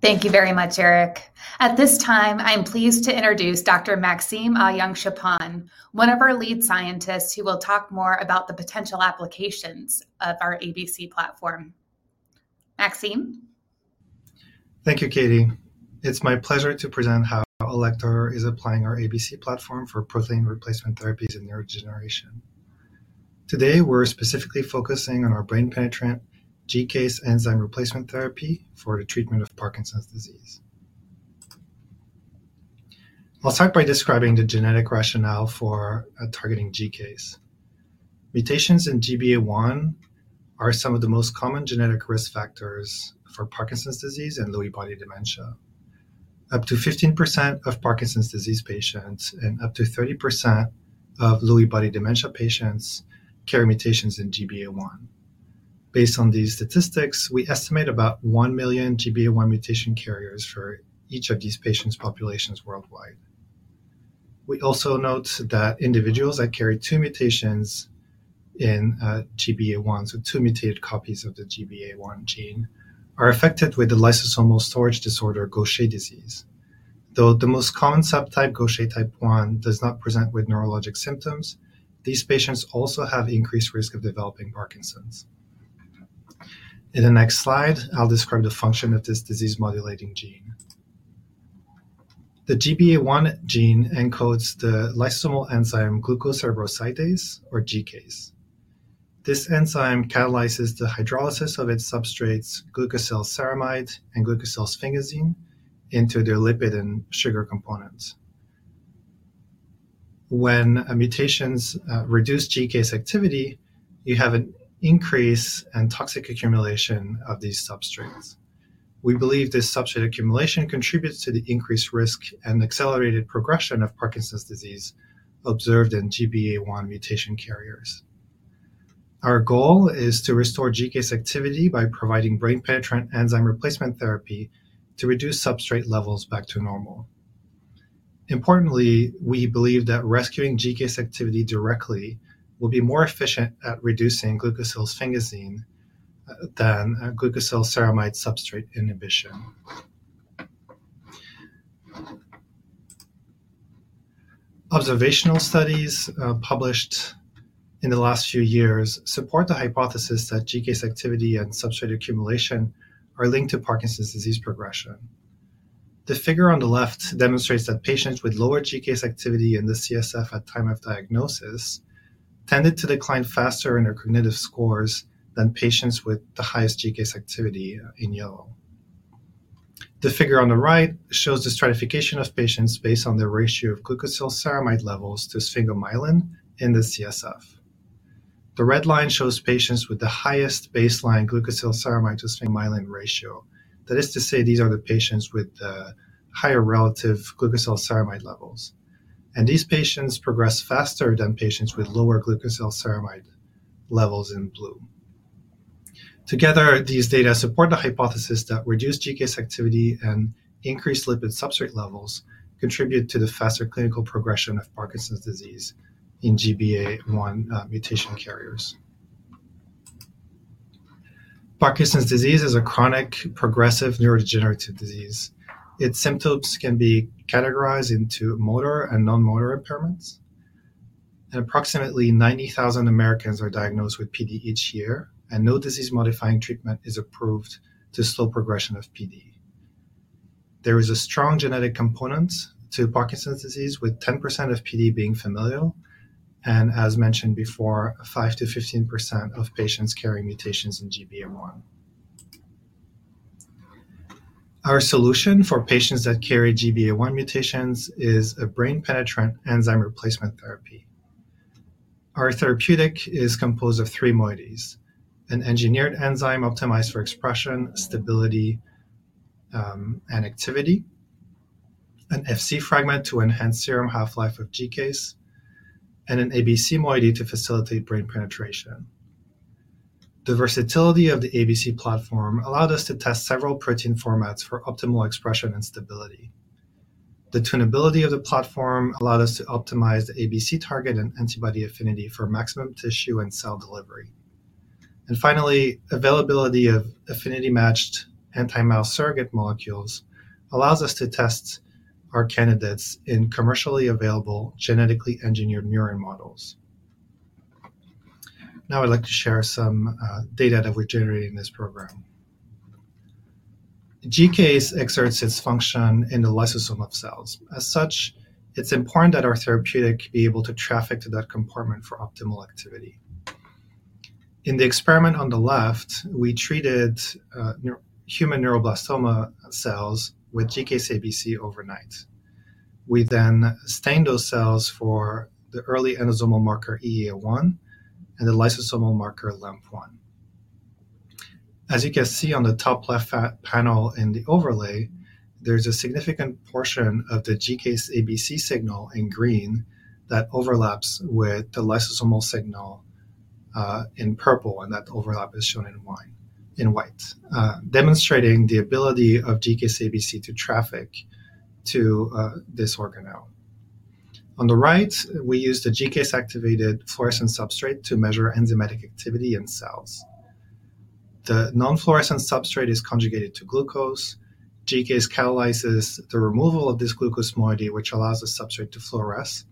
Thank you very much, Eric. At this time, I'm pleased to introduce Dr. Maxime Aillagon, one of our lead scientists, who will talk more about the potential applications of our ABC platform. Maxime? Thank you, Katie. It's my pleasure to present how Alector is applying our ABC platform for protein replacement therapies in neurodegeneration. Today, we're specifically focusing on our brain-penetrant GCase enzyme replacement therapy for the treatment of Parkinson's disease. I'll start by describing the genetic rationale for targeting GCase. Mutations in GBA1 are some of the most common genetic risk factors for Parkinson's disease and Lewy body dementia. Up to 15% of Parkinson's disease patients and up to 30% of Lewy body dementia patients carry mutations in GBA1. Based on these statistics, we estimate about 1 million GBA1 mutation carriers for each of these patient populations worldwide. We also note that individuals that carry two mutations in GBA1, so two mutated copies of the GBA1 gene, are affected with the lysosomal storage disorder, Gaucher disease. Though the most common subtype, Gaucher Type 1, does not present with neurologic symptoms, these patients also have increased risk of developing Parkinson's. In the next slide, I'll describe the function of this disease-modulating gene. The GBA1 gene encodes the lysosomal enzyme glucocerebrosidase, or GCase. This enzyme catalyzes the hydrolysis of its substrates, glucosylceramide and glucosylsphingosine, into their lipid and sugar components. When mutations reduce GCase activity, you have an increase in toxic accumulation of these substrates. We believe this substrate accumulation contributes to the increased risk and accelerated progression of Parkinson's disease observed in GBA1 mutation carriers. Our goal is to restore GCase activity by providing brain-penetrant enzyme replacement therapy to reduce substrate levels back to normal. Importantly, we believe that rescuing GCase activity directly will be more efficient at reducing glucosylsphingosine than glucosylceramide substrate inhibition. Observational studies published in the last few years support the hypothesis that GCase activity and substrate accumulation are linked to Parkinson's disease progression. The figure on the left demonstrates that patients with lower GCase activity in the CSF at time of diagnosis tended to decline faster in their cognitive scores than patients with the highest GCase activity in yellow. The figure on the right shows the stratification of patients based on their ratio of glucosylceramide levels to sphingomyelin in the CSF. The red line shows patients with the highest baseline glucosylceramide to sphingomyelin ratio. That is to say, these are the patients with the higher relative glucosylceramide levels, and these patients progress faster than patients with lower glucosylceramide levels in blue. Together, these data support the hypothesis that reduced GCase activity and increased lipid substrate levels contribute to the faster clinical progression of Parkinson's disease in GBA1 mutation carriers. Parkinson's disease is a chronic, progressive, neurodegenerative disease. Its symptoms can be categorized into motor and non-motor impairments, and approximately 90,000 Americans are diagnosed with PD each year, and no disease-modifying treatment is approved to slow progression of PD. There is a strong genetic component to Parkinson's disease, with 10% of PD being familial, and as mentioned before, 5%-15% of patients carry mutations in GBA1. Our solution for patients that carry GBA1 mutations is a brain-penetrant enzyme replacement therapy. Our therapeutic is composed of three moieties: an engineered enzyme optimized for expression, stability, and activity, an Fc fragment to enhance serum half-life of GCase, and an ABC moiety to facilitate brain penetration. The versatility of the ABC platform allowed us to test several protein formats for optimal expression and stability. The tunability of the platform allowed us to optimize the ABC target and antibody affinity for maximum tissue and cell delivery. And finally, availability of affinity-matched anti-mouse surrogate molecules allows us to test our candidates in commercially available, genetically engineered neuron models. Now, I'd like to share some data that we're generating in this program. GCase exerts its function in the lysosome of cells. As such, it's important that our therapeutic be able to traffic to that compartment for optimal activity. In the experiment on the left, we treated human neuroblastoma cells with GCase ABC overnight. We then stained those cells for the early endosomal marker, EEA1, and the lysosomal marker, LAMP1. As you can see on the top left panel in the overlay, there's a significant portion of the GCase ABC signal in green that overlaps with the lysosomal signal in purple, and that overlap is shown in white, in white, demonstrating the ability of GCase ABC to traffic to this organelle. On the right, we use the GCase-activated fluorescent substrate to measure enzymatic activity in cells. The non-fluorescent substrate is conjugated to glucose. GCase catalyzes the removal of this glucose moiety, which allows the substrate to fluoresce,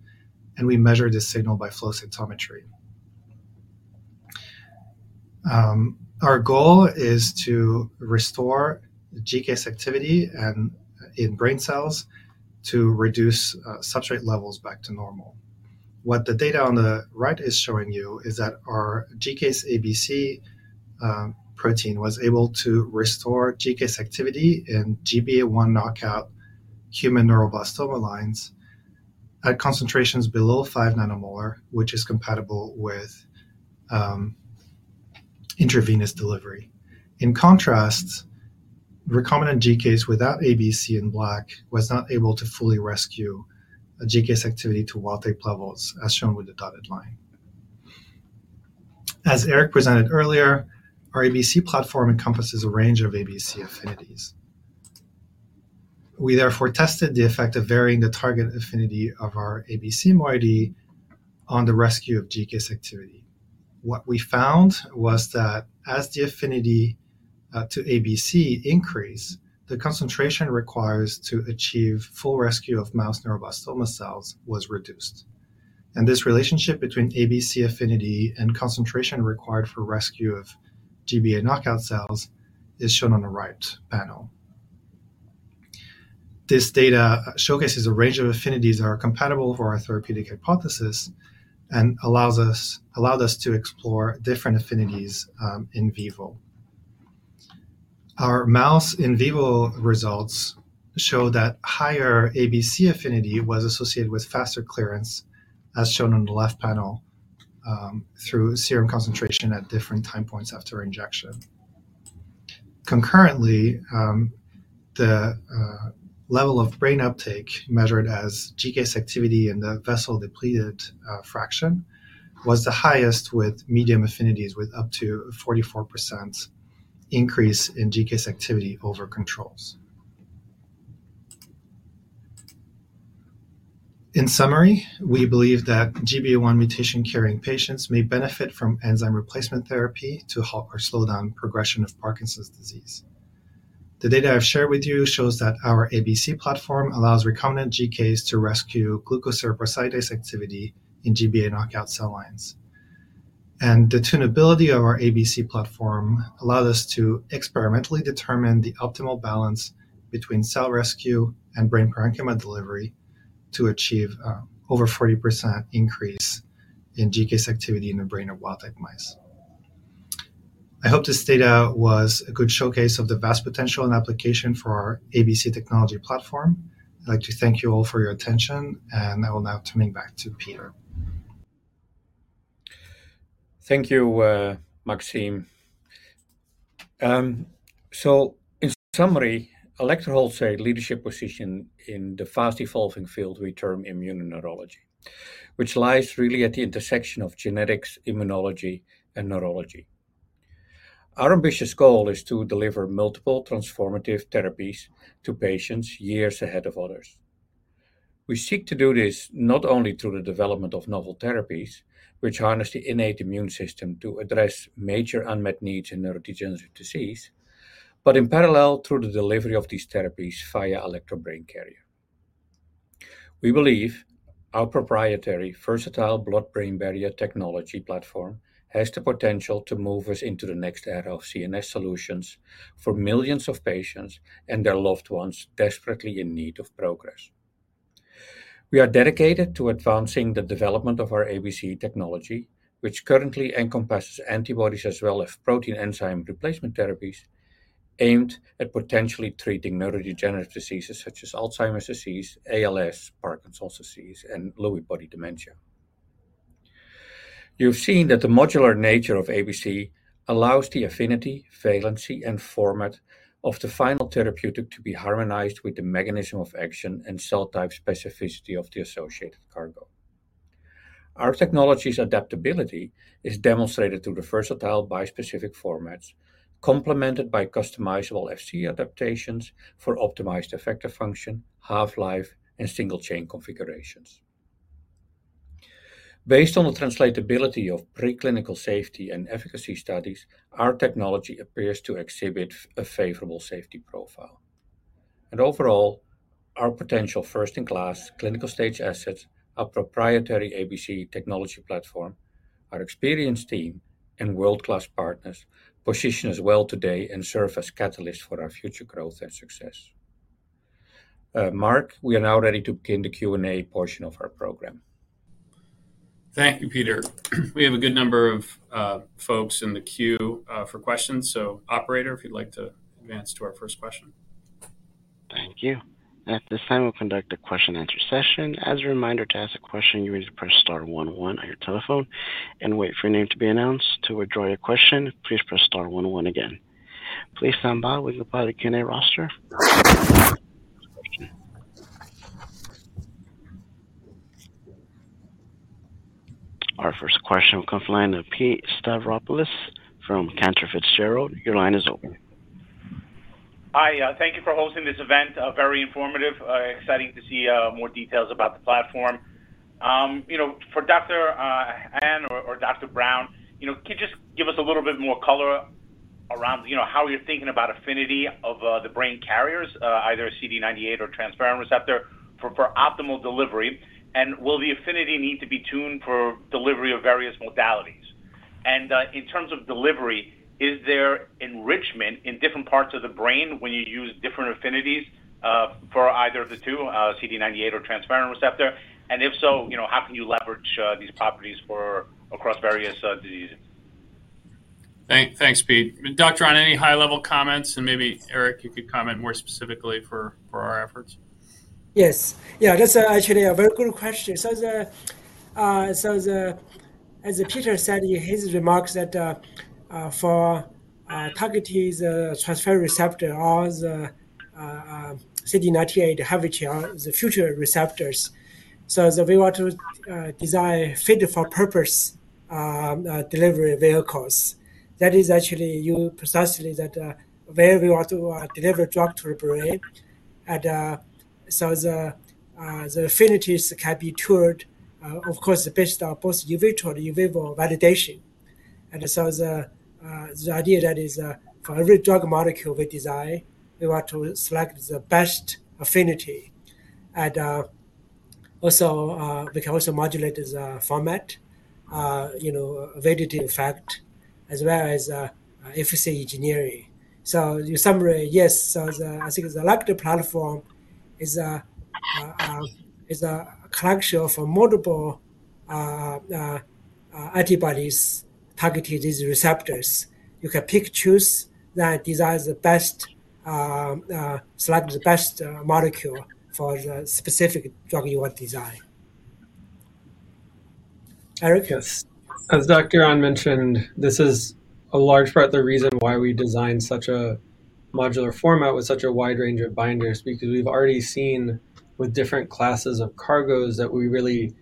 and we measure this signal by flow cytometry. Our goal is to restore GCase activity in brain cells to reduce substrate levels back to normal. What the data on the right is showing you is that our GCase ABC protein was able to restore GCase activity in GBA1 knockout human neuroblastoma lines at concentrations below five nanomolar, which is compatible with intravenous delivery. In contrast, recombinant GCase without ABC in black was not able to fully rescue a GCase activity to wild type levels, as shown with the dotted line. As Eric presented earlier, our ABC platform encompasses a range of ABC affinities. We therefore tested the effect of varying the target affinity of our ABC moiety on the rescue of GCase activity. What we found was that as the affinity to ABC increase, the concentration requires to achieve full rescue of mouse neuroblastoma cells was reduced. This relationship between ABC affinity and concentration required for rescue of GBA knockout cells is shown on the right panel. This data showcases a range of affinities that are compatible for our therapeutic hypothesis and allowed us to explore different affinities in vivo. Our mouse in vivo results show that higher ABC affinity was associated with faster clearance, as shown on the left panel, through serum concentration at different time points after injection. Concurrently, the level of brain uptake, measured as GCase activity in the vessel-depleted fraction, was the highest with medium affinities, with up to 44% increase in GCase activity over controls. In summary, we believe that GBA1 mutation-carrying patients may benefit from enzyme replacement therapy to halt or slow down progression of Parkinson's disease. The data I've shared with you shows that our ABC platform allows recombinant GCase to rescue glucocerebrosidase activity in GBA knockout cell lines. The tunability of our ABC platform allowed us to experimentally determine the optimal balance between cell rescue and brain parenchyma delivery to achieve over 40% increase in GCase activity in the brain of wild type mice. I hope this data was a good showcase of the vast potential and application for our ABC technology platform. I'd like to thank you all for your attention, and I will now turn it back to Peter. Thank you, Maxime. So in summary, Alector holds a leadership position in the fast-evolving field we term immunoneurology, which lies really at the intersection of genetics, immunology, and neurology. Our ambitious goal is to deliver multiple transformative therapies to patients years ahead of others. We seek to do this not only through the development of novel therapies, which harness the innate immune system to address major unmet needs in neurodegenerative disease, but in parallel through the delivery of these therapies via Alector Brain Carrier. We believe our proprietary versatile blood-brain barrier technology platform has the potential to move us into the next era of CNS solutions for millions of patients and their loved ones desperately in need of progress. We are dedicated to advancing the development of our ABC technology, which currently encompasses antibodies as well as protein enzyme replacement therapies aimed at potentially treating neurodegenerative diseases such as Alzheimer's disease, ALS, Parkinson's disease, and Lewy body dementia. You've seen that the modular nature of ABC allows the affinity, valency, and format of the final therapeutic to be harmonized with the mechanism of action and cell type specificity of the associated cargo. Our technology's adaptability is demonstrated through the versatile bispecific formats, complemented by customizable Fc adaptations for optimized effector function, half-life, and single chain configurations. Based on the translatability of preclinical safety and efficacy studies, our technology appears to exhibit a favorable safety profile. Overall, our potential first-in-class clinical-stage assets, our proprietary ABC technology platform, our experienced team, and world-class partners position us well today and serve as catalysts for our future growth and success. Marc, we are now ready to begin the Q&A portion of our program. Thank you, Peter. We have a good number of folks in the queue for questions. So operator, if you'd like to advance to our first question. Thank you. At this time, we'll conduct a question and answer session. As a reminder, to ask a question, you need to press star one one on your telephone and wait for your name to be announced. To withdraw your question, please press star one one again. Please stand by. We'll go by the Q&A roster. Our first question will come from the line of Pete Stavropoulos from Cantor Fitzgerald. Your line is open. Hi, thank you for hosting this event. Very informative. Exciting to see more details about the platform. You know, for Dr. An or Dr. Brown, you know, can you just give us a little bit more color around, you know, how you're thinking about affinity of the brain carriers, either CD98 or transferrin receptor, for optimal delivery? And will the affinity need to be tuned for delivery of various modalities? And in terms of delivery, is there enrichment in different parts of the brain when you use different affinities for either of the two, CD98 or transferrin receptor? And if so, you know, how can you leverage these properties for across various diseases? Thanks, Pete. Dr. An, any high-level comments, and maybe, Eric, you could comment more specifically for our efforts. Yes. Yeah, that's actually a very good question. So the, so the... As Peter said in his remarks that, for target use, transferrin receptor or the CD98 heavy chain, the future receptors. So we want to design fit for purpose delivery vehicles. That is actually you precisely that, where we want to deliver drug to the brain. And, so the affinities can be tuned, of course, based on both in vitro and in vivo validation. And so the idea that is, for every drug molecule we design, we want to select the best affinity. And, also, we can also modulate the format, you know, valency in fact, as well as efficacy engineering. So in summary, yes, I think the Alector platform is a collection of multiple antibodies targeting these receptors. You can pick, choose, then select the best molecule for the specific drug you want to design. Eric? Yes. As Dr. An mentioned, this is a large part of the reason why we designed such a modular format with such a wide range of binders, because we've already seen with different classes of cargos that we really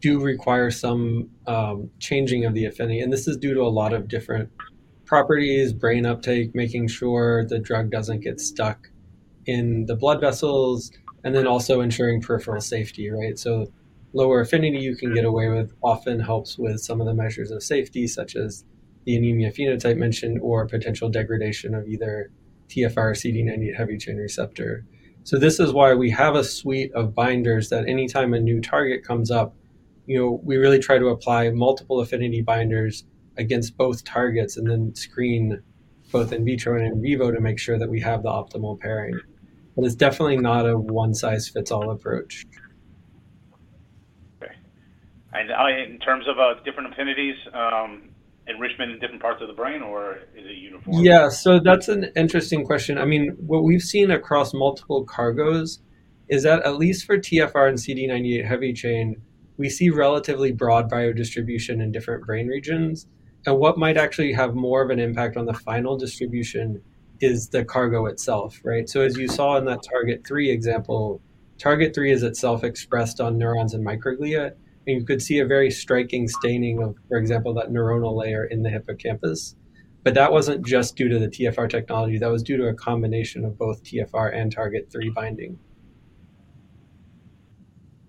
do require some changing of the affinity, and this is due to a lot of different properties, brain uptake, making sure the drug doesn't get stuck in the blood vessels, and then also ensuring peripheral safety, right? So lower affinity you can get away with often helps with some of the measures of safety, such as the anemia phenotype mentioned or potential degradation of either TFR CD98 heavy chain receptor. So this is why we have a suite of binders that anytime a new target comes up, you know, we really try to apply multiple affinity binders against both targets and then screen both in vitro and in vivo to make sure that we have the optimal pairing. But it's definitely not a one-size-fits-all approach. Okay. And, in terms of different affinities, enrichment in different parts of the brain, or is it uniform? Yeah, so that's an interesting question. I mean, what we've seen across multiple cargos is that, at least for TFR and CD98 heavy chain, we see relatively broad biodistribution in different brain regions. And what might actually have more of an impact on the final distribution is the cargo itself, right? So as you saw in that target three example, target three is itself expressed on neurons and microglia, and you could see a very striking staining of, for example, that neuronal layer in the hippocampus. But that wasn't just due to the TFR technology, that was due to a combination of both TFR and target three binding.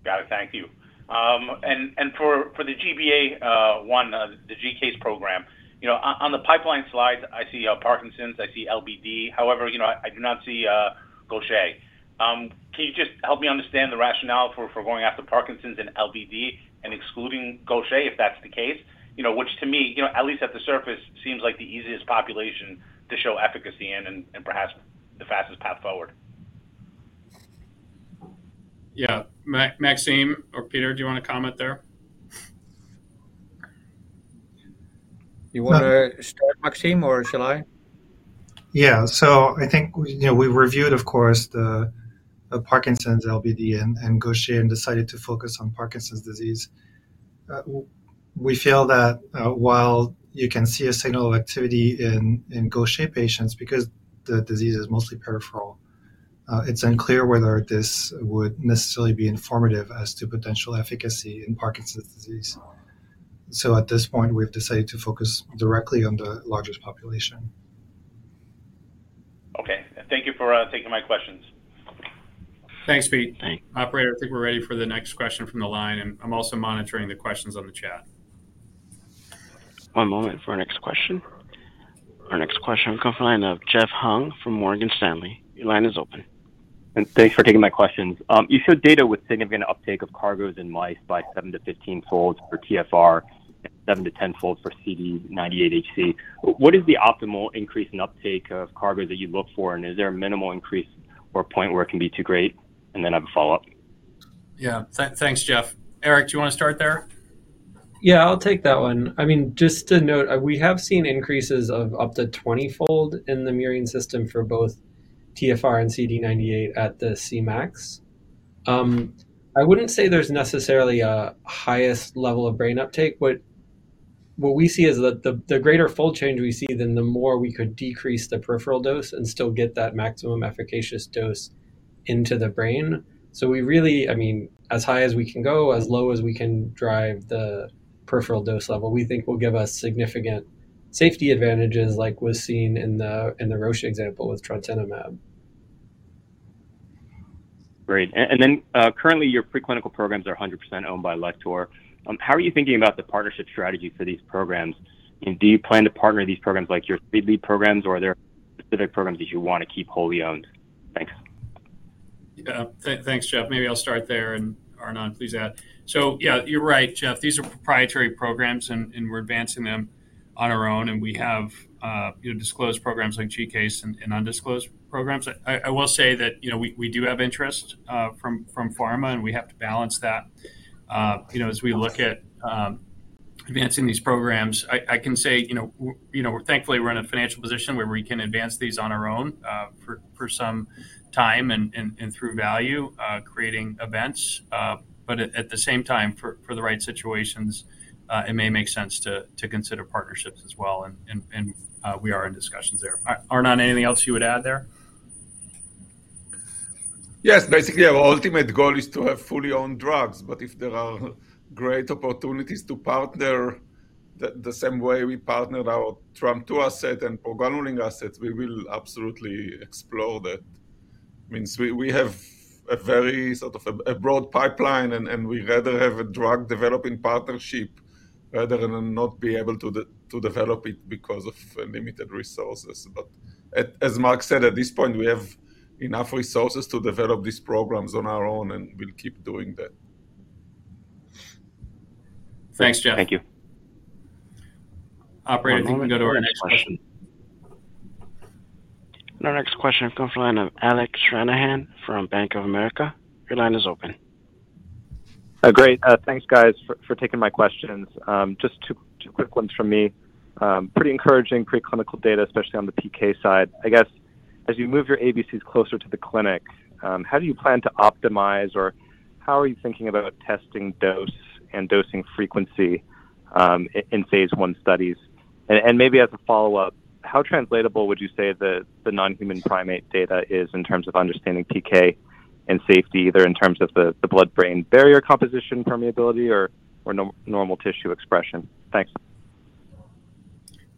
Got it. Thank you. And for the GBA1, the GCase program, you know, on the pipeline slide, I see Parkinson's, I see LBD. However, you know, I do not see Gaucher. Can you just help me understand the rationale for going after Parkinson's and LBD and excluding Gaucher, if that's the case? You know, which to me, you know, at least at the surface, seems like the easiest population to show efficacy in and perhaps the fastest path forward. Yeah. Maxime or Peter, do you want to comment there? You want to start, Maxime, or shall I? Yeah. So I think, you know, we reviewed, of course, the Parkinson's, LBD, and Gaucher and decided to focus on Parkinson's disease. We feel that while you can see a signal of activity in Gaucher patients, because the disease is mostly peripheral, it's unclear whether this would necessarily be informative as to potential efficacy in Parkinson's disease. So at this point, we've decided to focus directly on the largest population. Okay. Thank you for taking my questions. Thanks, Pete. Thanks. Operator, I think we're ready for the next question from the line, and I'm also monitoring the questions on the chat. One moment for our next question. Our next question comes from the line of Jeff Hung from Morgan Stanley. Your line is open. Thanks for taking my questions. You showed data with significant uptake of cargos in mice by seven to 15-fold for TFR and seven to 10-fold for CD98 HC. What is the optimal increase in uptake of cargo that you look for, and is there a minimal increase or point where it can be too great? Then I have a follow-up. Yeah. Thanks, Jeff. Eric, do you want to start there? Yeah, I'll take that one. I mean, just to note, we have seen increases of up to 20-fold in the murine system for both TFR and CD98 at the C-max. I wouldn't say there's necessarily a highest level of brain uptake, but what we see is that the, the greater fold change we see, then the more we could decrease the peripheral dose and still get that maximum efficacious dose into the brain. So we really, I mean, as high as we can go, as low as we can drive the peripheral dose level, we think will give us significant safety advantages, like was seen in the, in the Roche example with trastuzumab. Great. And then, currently, your preclinical programs are 100% owned by Alector. How are you thinking about the partnership strategy for these programs? And do you plan to partner these programs like your lead programs, or are there specific programs that you want to keep wholly owned? Thanks. Yeah. Thanks, Jeff. Maybe I'll start there, and Arnon, please add. So yeah, you're right, Jeff. These are proprietary programs, and we're advancing them on our own, and we have, you know, disclosed programs like GCase and undisclosed programs. I will say that, you know, we do have interest from pharma, and we have to balance that, you know, as we look at advancing these programs. I can say, you know, thankfully, we're in a financial position where we can advance these on our own, for some time and through value creating events. But at the same time, for the right situations, it may make sense to consider partnerships as well, and we are in discussions there. Arnon, anything else you would add there? Yes, basically, our ultimate goal is to have fully owned drugs, but if there are great opportunities to partner the same way we partnered our TREM2 asset and progranulin assets, we will absolutely explore that. Means we have a very sort of a broad pipeline, and we rather have a drug developing partnership rather than not be able to develop it because of limited resources. But as Marc said, at this point, we have enough resources to develop these programs on our own, and we'll keep doing that. Thanks, Jeff. Thank you. Operator, we can go to our next question. Our next question comes from the line of Alec Stranahan from Bank of America. Your line is open. Great. Thanks, guys, for taking my questions. Just two quick ones from me. Pretty encouraging preclinical data, especially on the PK side. I guess, as you move your ABCs closer to the clinic, how do you plan to optimize, or how are you thinking about testing dose and dosing frequency, in Phase I studies? And maybe as a follow-up, how translatable would you say the non-human primate data is in terms of understanding PK and safety, either in terms of the blood-brain barrier composition, permeability, or normal tissue expression? Thanks.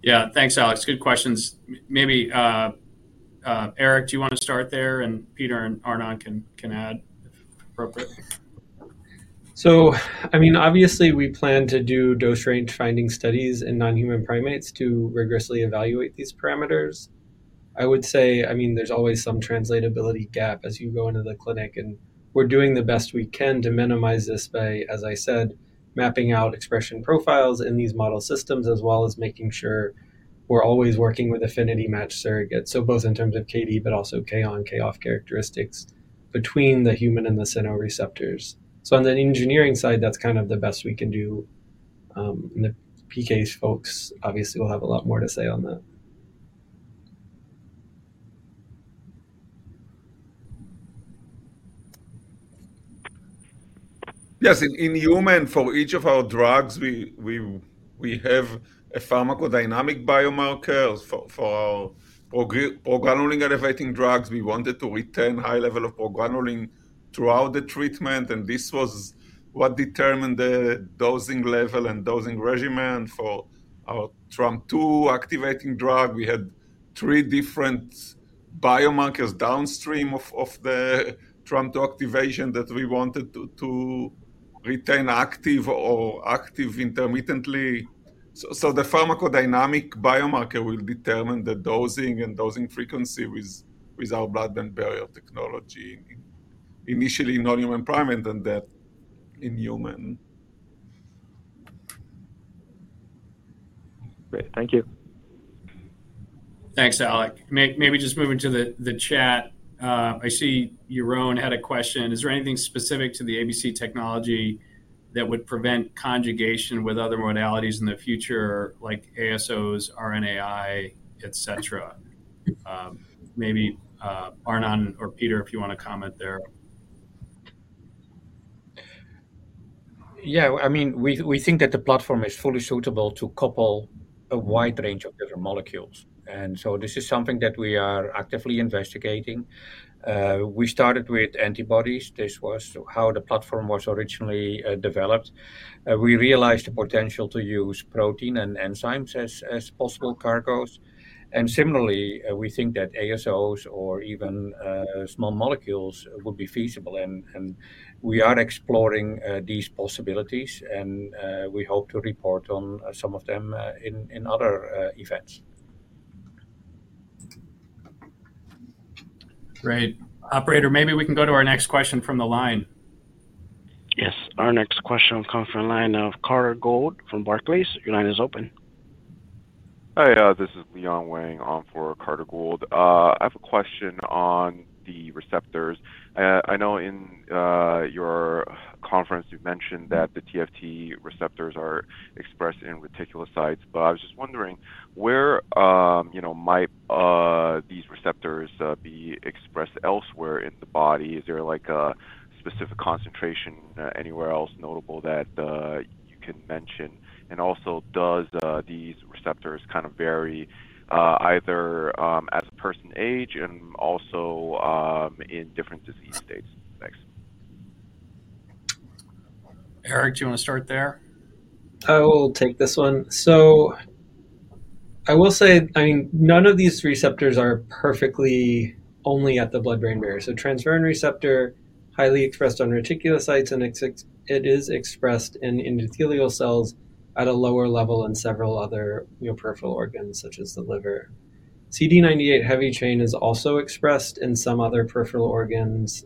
Yeah. Thanks, Alec. Good questions. Maybe Eric, do you want to start there, and Peter and Arnon can add if appropriate? I mean, obviously, we plan to do dose range finding studies in non-human primates to rigorously evaluate these parameters. I would say, I mean, there's always some translatability gap as you go into the clinic, and we're doing the best we can to minimize this by, as I said, mapping out expression profiles in these model systems, as well as making sure we're always working with affinity match surrogates, so both in terms of KD, but also K on, K off characteristics between the human and the cyno receptors. On the engineering side, that's kind of the best we can do. And the PK folks obviously will have a lot more to say on that. Yes, in human, for each of our drugs, we have a pharmacodynamic biomarker. For our progranulin-elevating drugs, we wanted to retain high level of progranulin throughout the treatment, and this was what determined the dosing level and dosing regimen. For our TREM2 activating drug, we had three different biomarkers downstream of the TREM2 activation that we wanted to retain active or active intermittently. So, the pharmacodynamic biomarker will determine the dosing and dosing frequency with our blood-brain barrier technology, initially in non-human primate, and then in human. Great. Thank you. Thanks, Alec. Maybe just moving to the chat. I see Yaron had a question: Is there anything specific to the ABC technology that would prevent conjugation with other modalities in the future, like ASOs, RNAi, et cetera? Maybe, Arnon or Peter, if you want to comment there. Yeah, I mean, we think that the platform is fully suitable to couple a wide range of different molecules, and so this is something that we are actively investigating. We started with antibodies. This was how the platform was originally developed. We realized the potential to use protein and enzymes as possible cargos, and similarly, we think that ASOs or even small molecules would be feasible, and we are exploring these possibilities, and we hope to report on some of them in other events. Great. Operator, maybe we can go to our next question from the line. Yes. Our next question will come from the line of Carter Gould from Barclays. Your line is open. Hi, this is Leon Wang on for Carter Gould. I have a question on the receptors. I know in your conference, you mentioned that the TFR receptors are expressed in reticulocytes, but I was just wondering where, you know, might these receptors be expressed elsewhere in the body? Is there, like, a specific concentration anywhere else notable that you can mention? And also, does these receptors kind of vary, either as a person age and also in different disease states? Thanks. Eric, do you want to start there? I will take this one. So I will say, I mean, none of these receptors are perfectly only at the blood-brain barrier. So transferrin receptor, highly expressed on reticulocytes, and it is expressed in endothelial cells at a lower level in several other peripheral organs, such as the liver. CD98 heavy chain is also expressed in some other peripheral organs.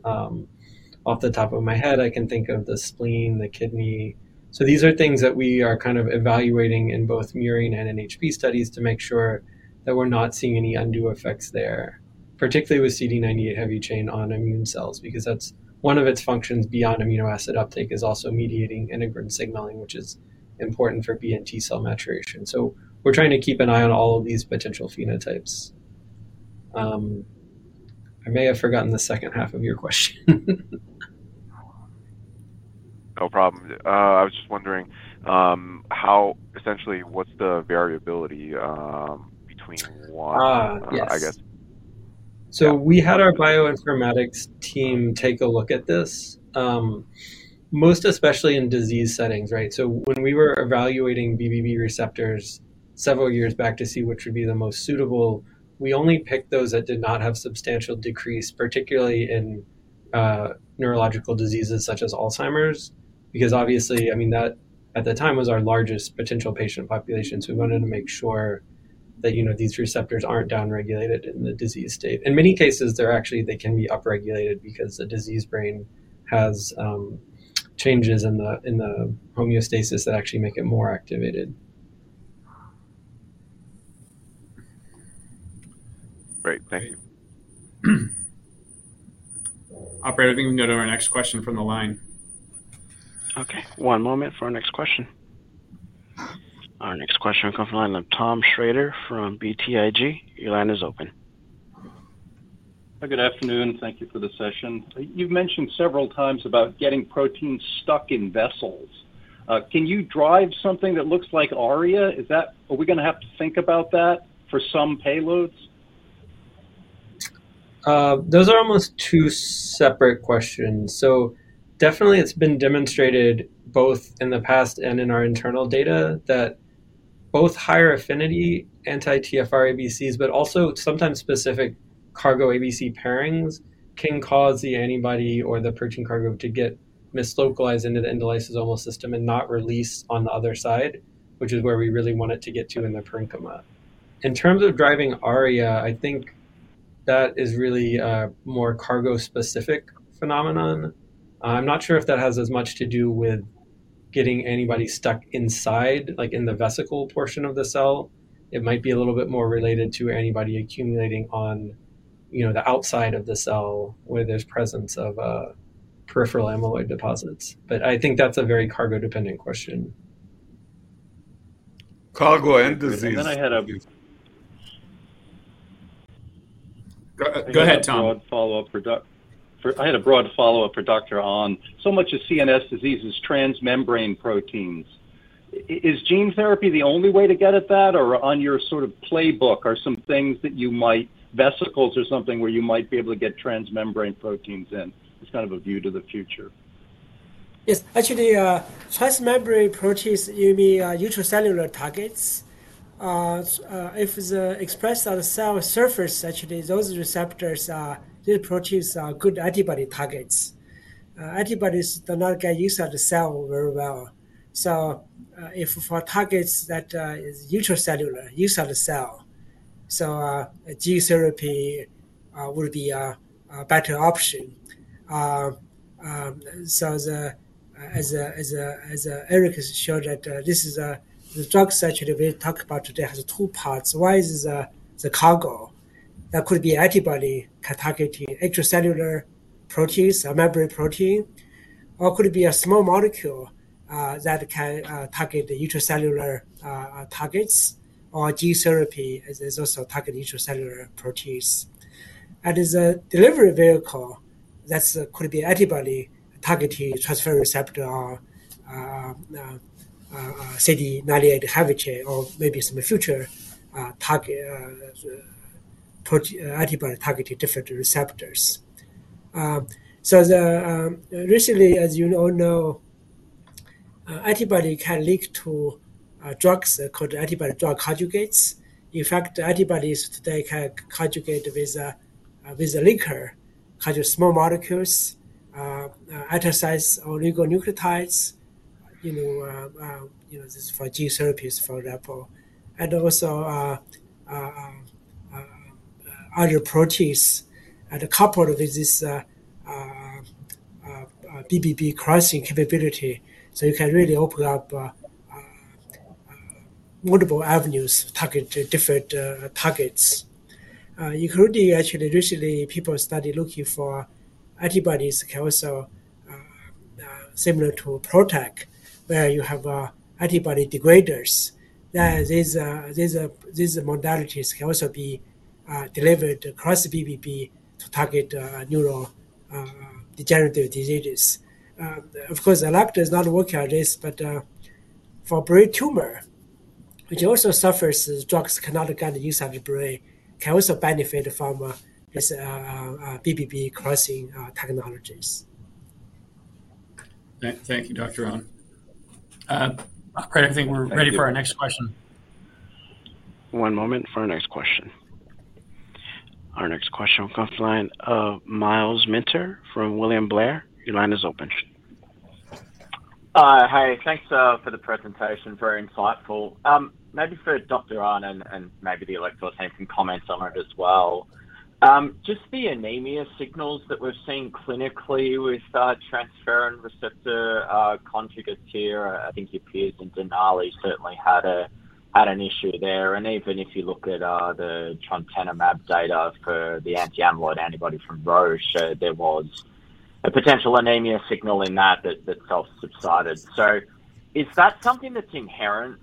Off the top of my head, I can think of the spleen, the kidney. So these are things that we are kind of evaluating in both murine and NHP studies to make sure that we're not seeing any undue effects there, particularly with CD98 heavy chain on immune cells, because that's one of its functions beyond amino acid uptake, is also mediating integrin signaling, which is important for B and T cell maturation. So we're trying to keep an eye on all of these potential phenotypes. I may have forgotten the second half of your question. No problem. I was just wondering, essentially, what's the variability between one - Ah, yes. I guess. So we had our bioinformatics team take a look at this, most especially in disease settings, right? So when we were evaluating BBB receptors several years back to see which would be the most suitable, we only picked those that did not have substantial decrease, particularly in, neurological diseases such as Alzheimer's. Because obviously, I mean, that, at the time, was our largest potential patient population, so we wanted to make sure that, you know, these receptors aren't downregulated in the disease state. In many cases, they're actually, they can be upregulated because the disease brain has, changes in the, in the homeostasis that actually make it more activated. Great. Thank you. Operator, I think we can go to our next question from the line. Okay, one moment for our next question. Our next question will come from the line of Tom Shrader from BTIG. Your line is open. Good afternoon, and thank you for the session. You've mentioned several times about getting protein stuck in vessels. Can you drive something that looks like ARIA? Is that... Are we gonna have to think about that for some payloads? Those are almost two separate questions. So definitely it's been demonstrated both in the past and in our internal data, that both higher affinity anti-TFR ABCs, but also sometimes specific cargo ABC pairings, can cause the antibody or the protein cargo to get mislocalized into the endolysosomal system and not released on the other side, which is where we really want it to get to in the parenchyma. In terms of driving ARIA, I think that is really a more cargo-specific phenomenon. I'm not sure if that has as much to do with getting anybody stuck inside, like in the vesicle portion of the cell. It might be a little bit more related to anybody accumulating on, you know, the outside of the cell, where there's presence of peripheral amyloid deposits. But I think that's a very cargo-dependent question. Cargo and disease. Go ahead, Tom. I had a broad follow-up for Dr. An. So much of CNS disease is transmembrane proteins. Is gene therapy the only way to get at that, or on your sort of playbook, are some things that you might, vesicles or something, where you might be able to get transmembrane proteins in? Just kind of a view to the future. Yes. Actually, transmembrane proteins, you mean, intracellular targets. If it's expressed on the cell surface, actually, those receptors are, these proteins are good antibody targets. Antibodies do not get into the cell very well. So, if for targets that is intracellular, inside the cell, a gene therapy will be a better option. So, as Eric has showed that, this is, the drug section that we talk about today has two parts. One is the cargo. That could be antibody targeting extracellular proteins or membrane protein, or could it be a small molecule that can target the intracellular targets, or gene therapy is also target intracellular proteins. As a delivery vehicle, that could be antibody targeting transferrin receptor, CD98 heavy chain, or maybe some future target, antibody targeting different receptors. So, recently, as you all know, antibody can link to drugs, called antibody-drug conjugates. In fact, antibodies today can conjugate with a, with a linker, conjugate small molecules, antisense or oligonucleotides, you know, you know, this is for gene therapies, for example, and also, other proteins. And a couple of these, BBB crossing capability, so you can really open up multiple avenues targeting different targets. Including actually, recently, people started looking for antibodies can also, similar to PROTAC, where you have antibody degraders. These modalities can also be delivered across the BBB to target neurodegenerative diseases. Of course, Alector is not working on this, but for brain tumor, which also suffers as drugs cannot get use of the brain, can also benefit from this BBB crossing technologies. Thank you, Dr. An. Operator, I think we're ready for our next question. One moment for our next question. Our next question will come from the line of Myles Minter from William Blair. Your line is open. Hi. Thanks for the presentation. Very insightful. Maybe for Dr. An and maybe the Alector team can comment on it as well. Just the anemia signals that we're seeing clinically with transferrin receptor conjugates here, I think it appears in Denali, certainly had an issue there. And even if you look at the Trontinemab data for the anti-amyloid antibody from Roche, showed there was a potential anemia signal in that, that self-subsided. So is that something that's inherent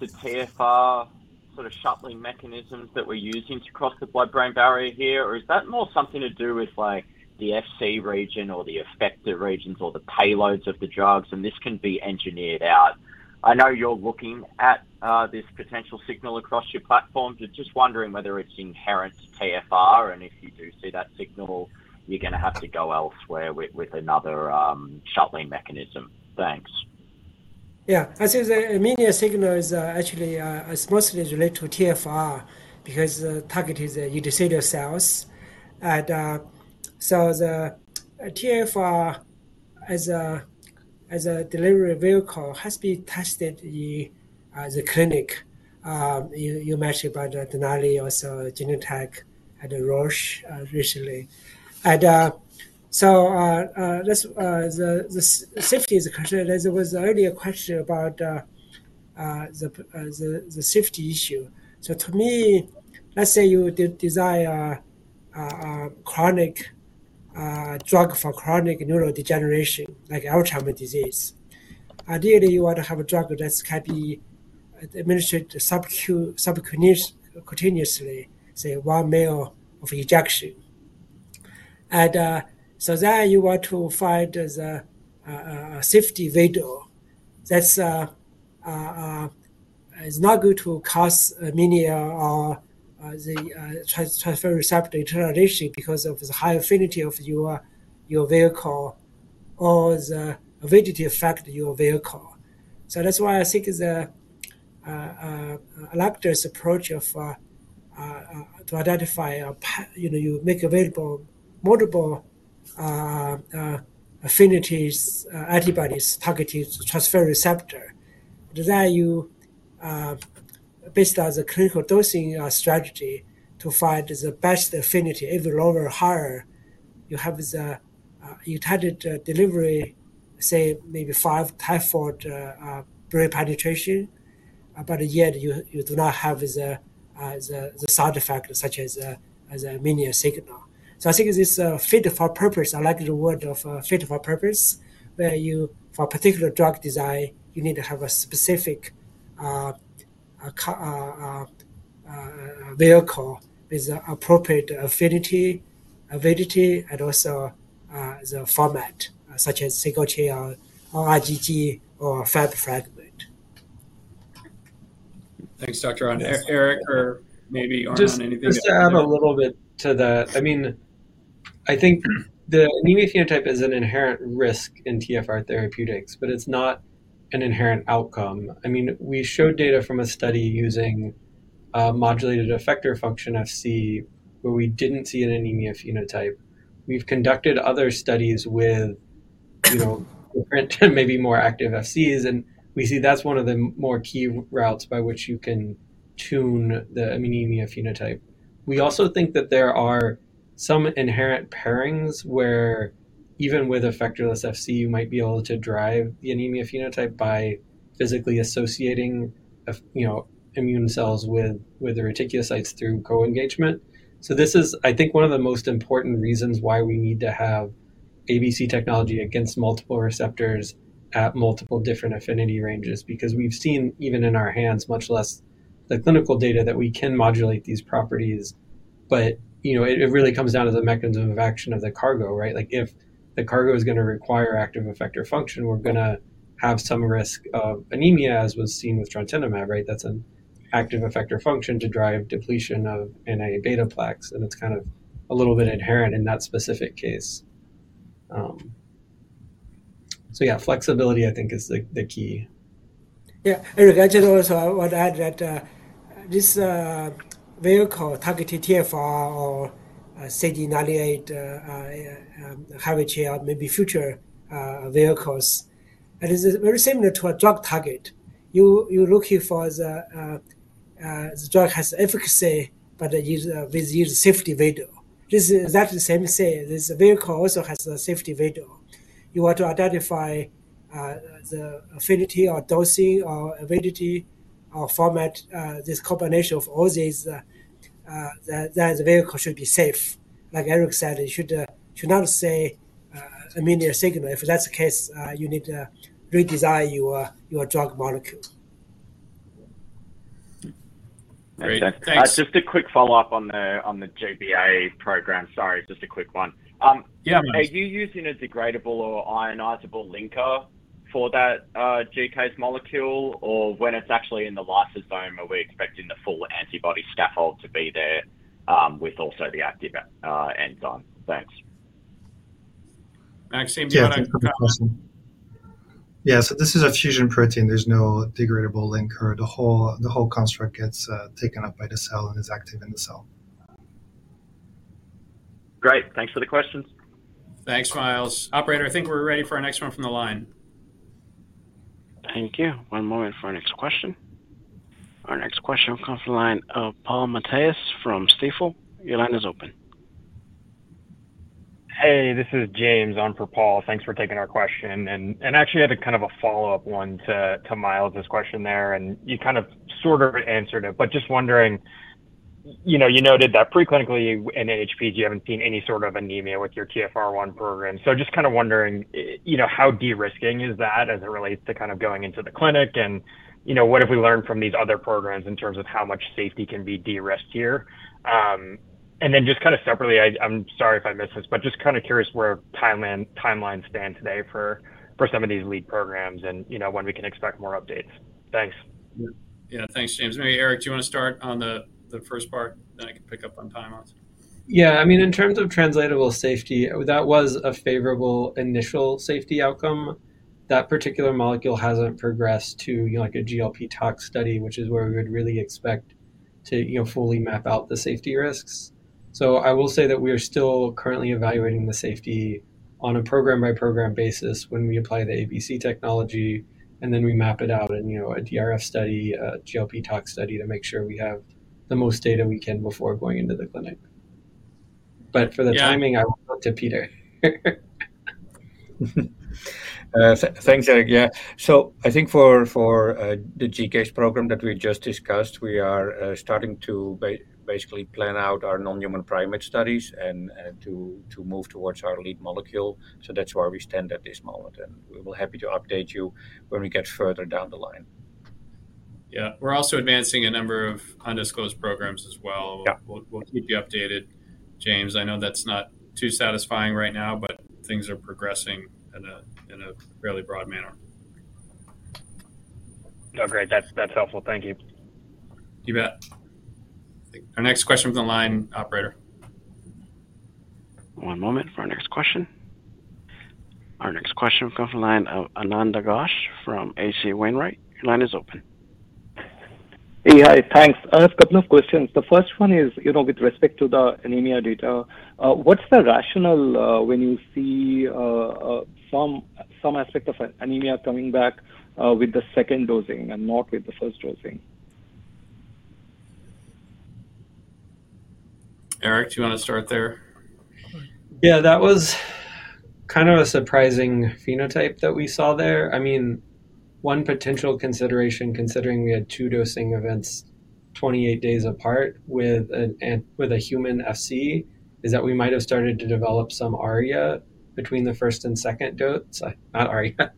to TFR sort of shuttling mechanisms that we're using to cross the blood-brain barrier here? Or is that more something to do with, like, the Fc region or the effector regions or the payloads of the drugs, and this can be engineered out? I know you're looking at this potential signal across your platforms. Just wondering whether it's inherent to TFR, and if you do see that signal, you're gonna have to go elsewhere with another shuttling mechanism. Thanks. Yeah. I see the anemia signal is actually mostly related to TFR because the target is the endothelial cells. So the TFR as a delivery vehicle has been tested in the clinic. You mentioned about Denali, also Genentech and Roche, recently. So the safety is a question. There was already a question about the safety issue. So to me, let's say you did desire a chronic drug for chronic neurodegeneration, like Alzheimer's disease. Ideally, you want to have a drug that can be administered subcutaneously, say, 1 ml of injection. So then you want to find a safety window that's not going to cause anemia or the transferrin receptor internalization because of the high affinity of your vehicle or the avidity effect of your vehicle. So that's why I think the Alector's approach of to identify a pa-... You know, you make available multiple affinities antibodies targeted transferrin receptor. Then you based on the clinical dosing strategy to find the best affinity, either lower or higher, you have the you target delivery, say, maybe five times for brain penetration, but yet you do not have the the side effects such as as anemia signal. So I think it's fit for purpose. I like the word of fit for purpose, where you, for a particular drug design, you need to have a specific vehicle with the appropriate affinity, avidity, and also the format, such as single chain or IgG or Fab fragment. Thanks, Dr. An. Eric, or maybe on anything- Just to add a little bit to that. I mean, I think the anemia phenotype is an inherent risk in TFR therapeutics, but it's not an inherent outcome. I mean, we showed data from a study using modulated effector function Fc, where we didn't see an anemia phenotype. We've conducted other studies with, you know, different, maybe more active Fcs, and we see that's one of the more key routes by which you can tune the anemia phenotype. We also think that there are some inherent pairings where even with effectorless Fc, you might be able to drive the anemia phenotype by physically associating, you know, immune cells with the reticulocytes through co-engagement. So this is, I think, one of the most important reasons why we need to have ABC technology against multiple receptors at multiple different affinity ranges, because we've seen even in our hands, much less the clinical data, that we can modulate these properties. But, you know, it, it really comes down to the mechanism of action of the cargo, right? Like, if the cargo is gonna require active effector function, we're gonna have some risk of anemia, as was seen with Trontinemab, right? That's an active effector function to drive depletion of amyloid beta plaques, and it's kind of a little bit inherent in that specific case. So yeah, flexibility, I think, is the, the key. Yeah. Eric, I just also want to add that, this vehicle, targeted TFR or CD98 heavy chain, maybe future vehicles. It is very similar to a drug target. You're looking for the drug has efficacy, but it is with use safety window. This is exactly the same say, this vehicle also has a safety window. You want to identify the affinity or dosing, or avidity, or format, this combination of all these that the vehicle should be safe. Like Eric said, it should not say immediate signal. If that's the case, you need to redesign your drug molecule. Great, thanks. Just a quick follow-up on the GBA program. Sorry, just a quick one. Yeah. Are you using a degradable or ionizable linker for that, GCase molecule? Or when it's actually in the lysosome, are we expecting the full antibody scaffold to be there, with also the active, enzyme? Thanks. Maxime, do you wanna- Yeah, good question. Yeah, so this is a fusion protein. There's no degradable linker. The whole construct gets taken up by the cell and is active in the cell. Great. Thanks for the questions. Thanks, Myles. Operator, I think we're ready for our next one from the line. Thank you. One moment for our next question. Our next question comes from the line of Paul Matteis from Stifel. Your line is open. Hey, this is James on for Paul. Thanks for taking our question, and I actually had a kind of a follow-up one to Myles's question there, and you kind of sort of answered it, but just wondering, you know, you noted that preclinically in NHP, you haven't seen any sort of anemia with your TFR1 program. So just kind of wondering, you know, how de-risking is that as it relates to kind of going into the clinic and, you know, what have we learned from these other programs in terms of how much safety can be de-risked here? And then just kind of separately, I'm sorry if I missed this, but just kind of curious where timeline, timelines stand today for some of these lead programs and, you know, when we can expect more updates. Thanks. Yeah. Yeah, thanks, James. Maybe Eric, do you wanna start on the first part, then I can pick up on timelines? Yeah. I mean, in terms of translatable safety, that was a favorable initial safety outcome. That particular molecule hasn't progressed to, you know, like a GLP tox study, which is where we would really expect to, you know, fully map out the safety risks. So I will say that we are still currently evaluating the safety on a program-by-program basis when we apply the ABC technology, and then we map it out in, you know, a DRF study, a GLP tox study to make sure we have the most data we can before going into the clinic. Yeah. But for the timing, I will look to Peter. Thanks, Eric. Yeah. So I think for the GCase program that we just discussed, we are starting to basically plan out our non-human primate studies and to move towards our lead molecule. So that's where we stand at this moment, and we'll be happy to update you when we get further down the line. Yeah. We're also advancing a number of undisclosed programs as well. Yeah. We'll keep you updated, James. I know that's not too satisfying right now, but things are progressing in a fairly broad manner. Oh, great. That's, that's helpful. Thank you. You bet. Our next question from the line, operator. One moment for our next question. Our next question comes from the line of Anand Ghosh from H.C. Wainwright. Your line is open. Hey. Hi, thanks. I have a couple of questions. The first one is, you know, with respect to the anemia data, what's the rationale, when you see, some aspect of anemia coming back, with the second dosing and not with the first dosing? Eric, do you wanna start there? Yeah, that was kind of a surprising phenotype that we saw there. I mean, one potential consideration, considering we had two dosing events 28 days apart with a human Fc, is that we might have started to develop some ARIA between the first and second dose. Not ARIA.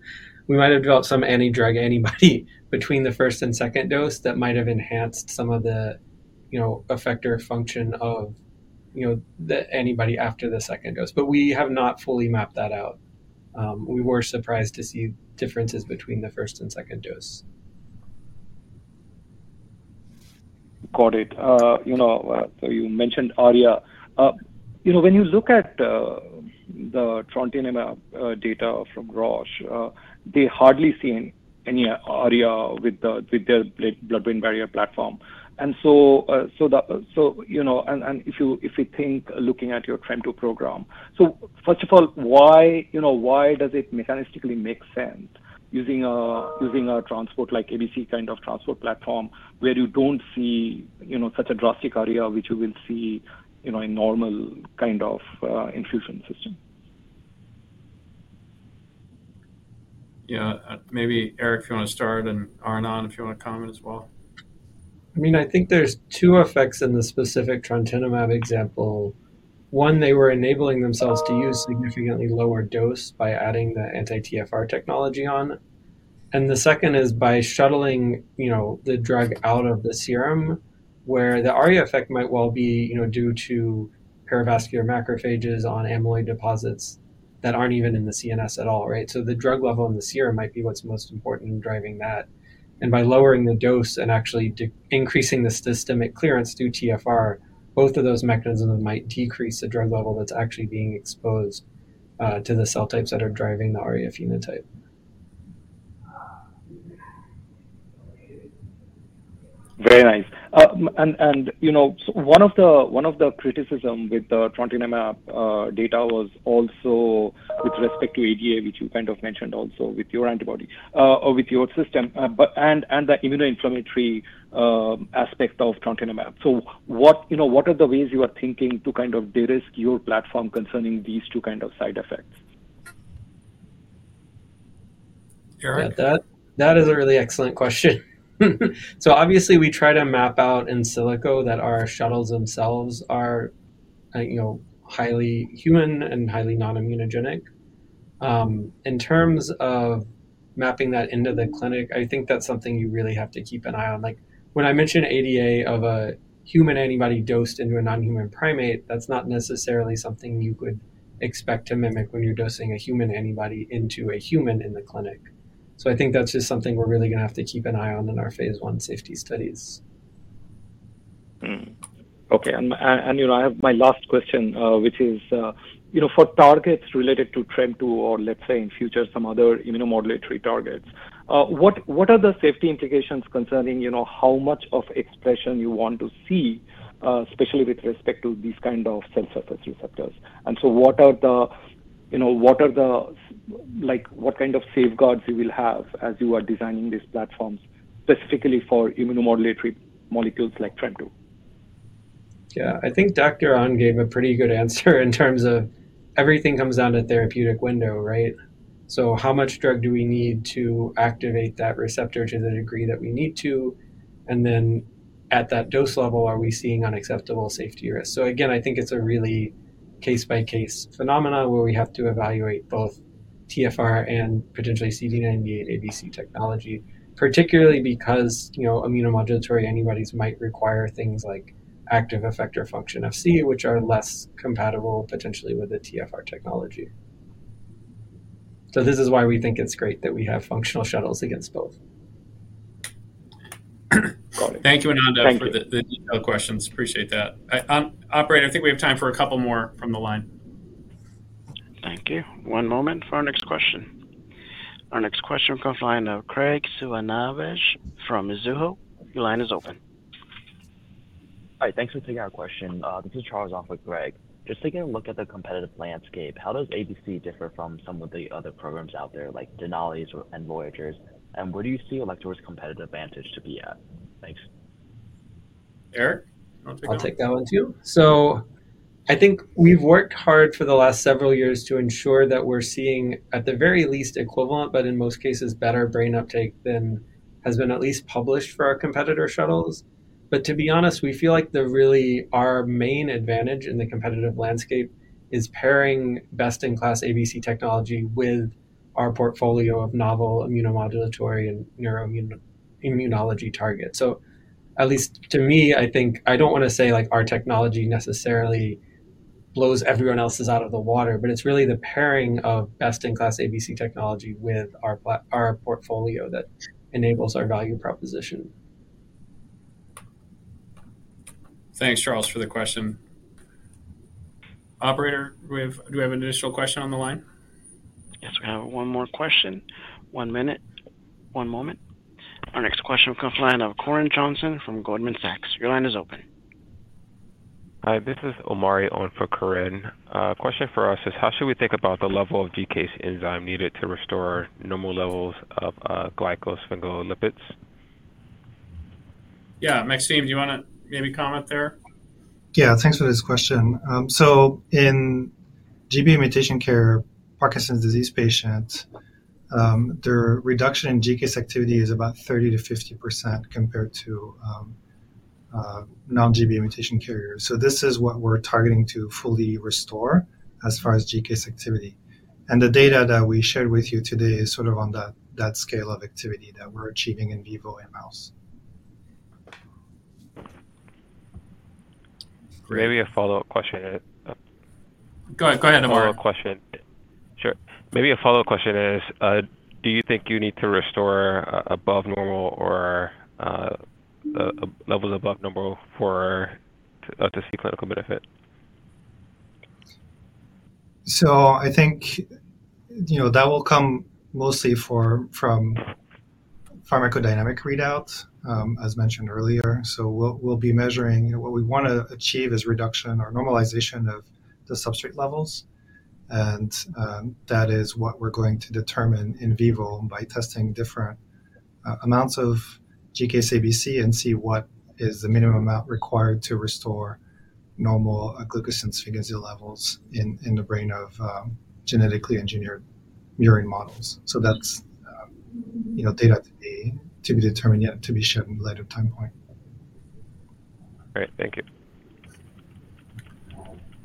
We might have developed some anti-drug antibody between the first and second dose that might have enhanced some of the, you know, effector function of, you know, the antibody after the second dose. But we have not fully mapped that out. We were surprised to see differences between the first and second dose. Got it. You know, so you mentioned ARIA. You know, when you look at the Trontinemab data from Roche, they hardly seen any ARIA with their blood-brain barrier platform. And so, you know. And if you think looking at your TREM2 program, so first of all, why does it mechanistically make sense using a transport like ABC kind of transport platform, where you don't see such a drastic ARIA, which you will see in normal kind of infusion system? Yeah, maybe Eric, if you wanna start, and Arnon, if you wanna comment as well. I mean, I think there's two effects in the specific Trontinemab example. One, they were enabling themselves to use significantly lower dose by adding the anti-TFR technology on. And the second is by shuttling, you know, the drug out of the serum, where the ARIA effect might well be, you know, due to perivascular macrophages on amyloid deposits that aren't even in the CNS at all, right? So the drug level in the serum might be what's most important in driving that. And by lowering the dose and actually decreasing the systemic clearance through TFR, both of those mechanisms might decrease the drug level that's actually being exposed to the cell types that are driving the ARIA phenotype. Very nice. And you know, so one of the criticism with the trontinemab data was also with respect to ADA, which you kind of mentioned also with your antibody or with your system, but and the immunoinflammatory aspect of trontinemab. So what, you know, what are the ways you are thinking to kind of de-risk your platform concerning these two kind of side effects? Eric? Yeah, that, that is a really excellent question. So obviously, we try to map out in silico that our shuttles themselves are, you know, highly human and highly non-immunogenic. In terms of mapping that into the clinic, I think that's something you really have to keep an eye on. Like, when I mention ADA of a human antibody dosed into a non-human primate, that's not necessarily something you would expect to mimic when you're dosing a human antibody into a human in the clinic. So I think that's just something we're really gonna have to keep an eye on in our Phase I safety studies. Mm. Okay, and, you know, I have my last question, which is, you know, for targets related to TREM2 or, let's say, in future, some other immunomodulatory targets, what are the safety implications concerning, you know, how much of expression you want to see, especially with respect to these kind of cell surface receptors? And so what are the, you know, like, what kind of safeguards you will have as you are designing these platforms, specifically for immunomodulatory molecules like TREM2? Yeah. I think Dr. An gave a pretty good answer in terms of everything comes down to therapeutic window, right? So how much drug do we need to activate that receptor to the degree that we need to? And then at that dose level, are we seeing unacceptable safety risks? So again, I think it's a really case-by-case phenomenon where we have to evaluate both TFR and potentially CD98 ABC technology, particularly because, you know, immunomodulatory antibodies might require things like active effector function, Fc, which are less compatible potentially with the TFR technology. So this is why we think it's great that we have functional shuttles against both. Got it. Thank you, Anand- Thank you... for the detailed questions. Appreciate that. I, operator, I think we have time for a couple more from the line. Thank you. One moment for our next question. Our next question will come from the line of Graig Suvannavejh from Mizuho. Your line is open. Hi, thanks for taking our question. This is Charles Ong with Graig. Just taking a look at the competitive landscape, how does ABC differ from some of the other programs out there, like Denali's or, and Voyager's? And where do you see Alector's competitive advantage to be at? Thanks. Eric, you want to take that one? I'll take that one, too. So I think we've worked hard for the last several years to ensure that we're seeing, at the very least, equivalent, but in most cases, better brain uptake than has been at least published for our competitor shuttles. But to be honest, we feel like really our main advantage in the competitive landscape is pairing best-in-class ABC technology with our portfolio of novel immunomodulatory and neuroimmunology targets. So at least to me, I think... I don't want to say, like, our technology necessarily blows everyone else's out of the water, but it's really the pairing of best-in-class ABC technology with our portfolio that enables our value proposition. Thanks, Charles, for the question. Operator, do we have, do we have an additional question on the line? Yes, we have one more question. One minute. One moment. Our next question will come from the line of Corinne Jenkins from Goldman Sachs. Your line is open. Hi, this is Omari Hayles for Corinne. Question for us is, how should we think about the level of GCase enzyme needed to restore normal levels of glycosphingolipids? Yeah, Maxime, do you want to maybe comment there? Yeah, thanks for this question. So in GBA mutation carriers, Parkinson's disease patients, their reduction in GCase activity is about 30%-50% compared to non-GBA mutation carriers. So this is what we're targeting to fully restore as far as GCase activity. And the data that we shared with you today is sort of on that, that scale of activity that we're achieving in vivo in mouse. Maybe a follow-up question. Go ahead. Go ahead, Omari. Follow-up question. Sure. Maybe a follow-up question is, do you think you need to restore above normal or levels above normal for... to see clinical benefit? So I think, you know, that will come mostly from pharmacodynamic readouts, as mentioned earlier. So we'll be measuring... What we want to achieve is reduction or normalization of the substrate levels, and that is what we're going to determine in vivo by testing different amounts of GCase ABC and see what is the minimum amount required to restore normal glucosylceramide levels in the brain of genetically engineered murine models. So that's, you know, data to be determined, yet to be shown in a later time point. Great. Thank you.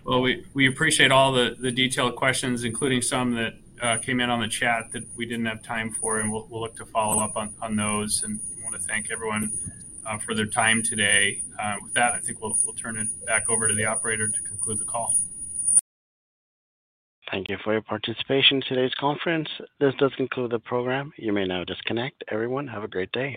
Well, we appreciate all the detailed questions, including some that came in on the chat that we didn't have time for, and we'll look to follow up on those. And we want to thank everyone for their time today. With that, I think we'll turn it back over to the operator to conclude the call. Thank you for your participation in today's conference. This does conclude the program. You may now disconnect. Everyone, have a great day.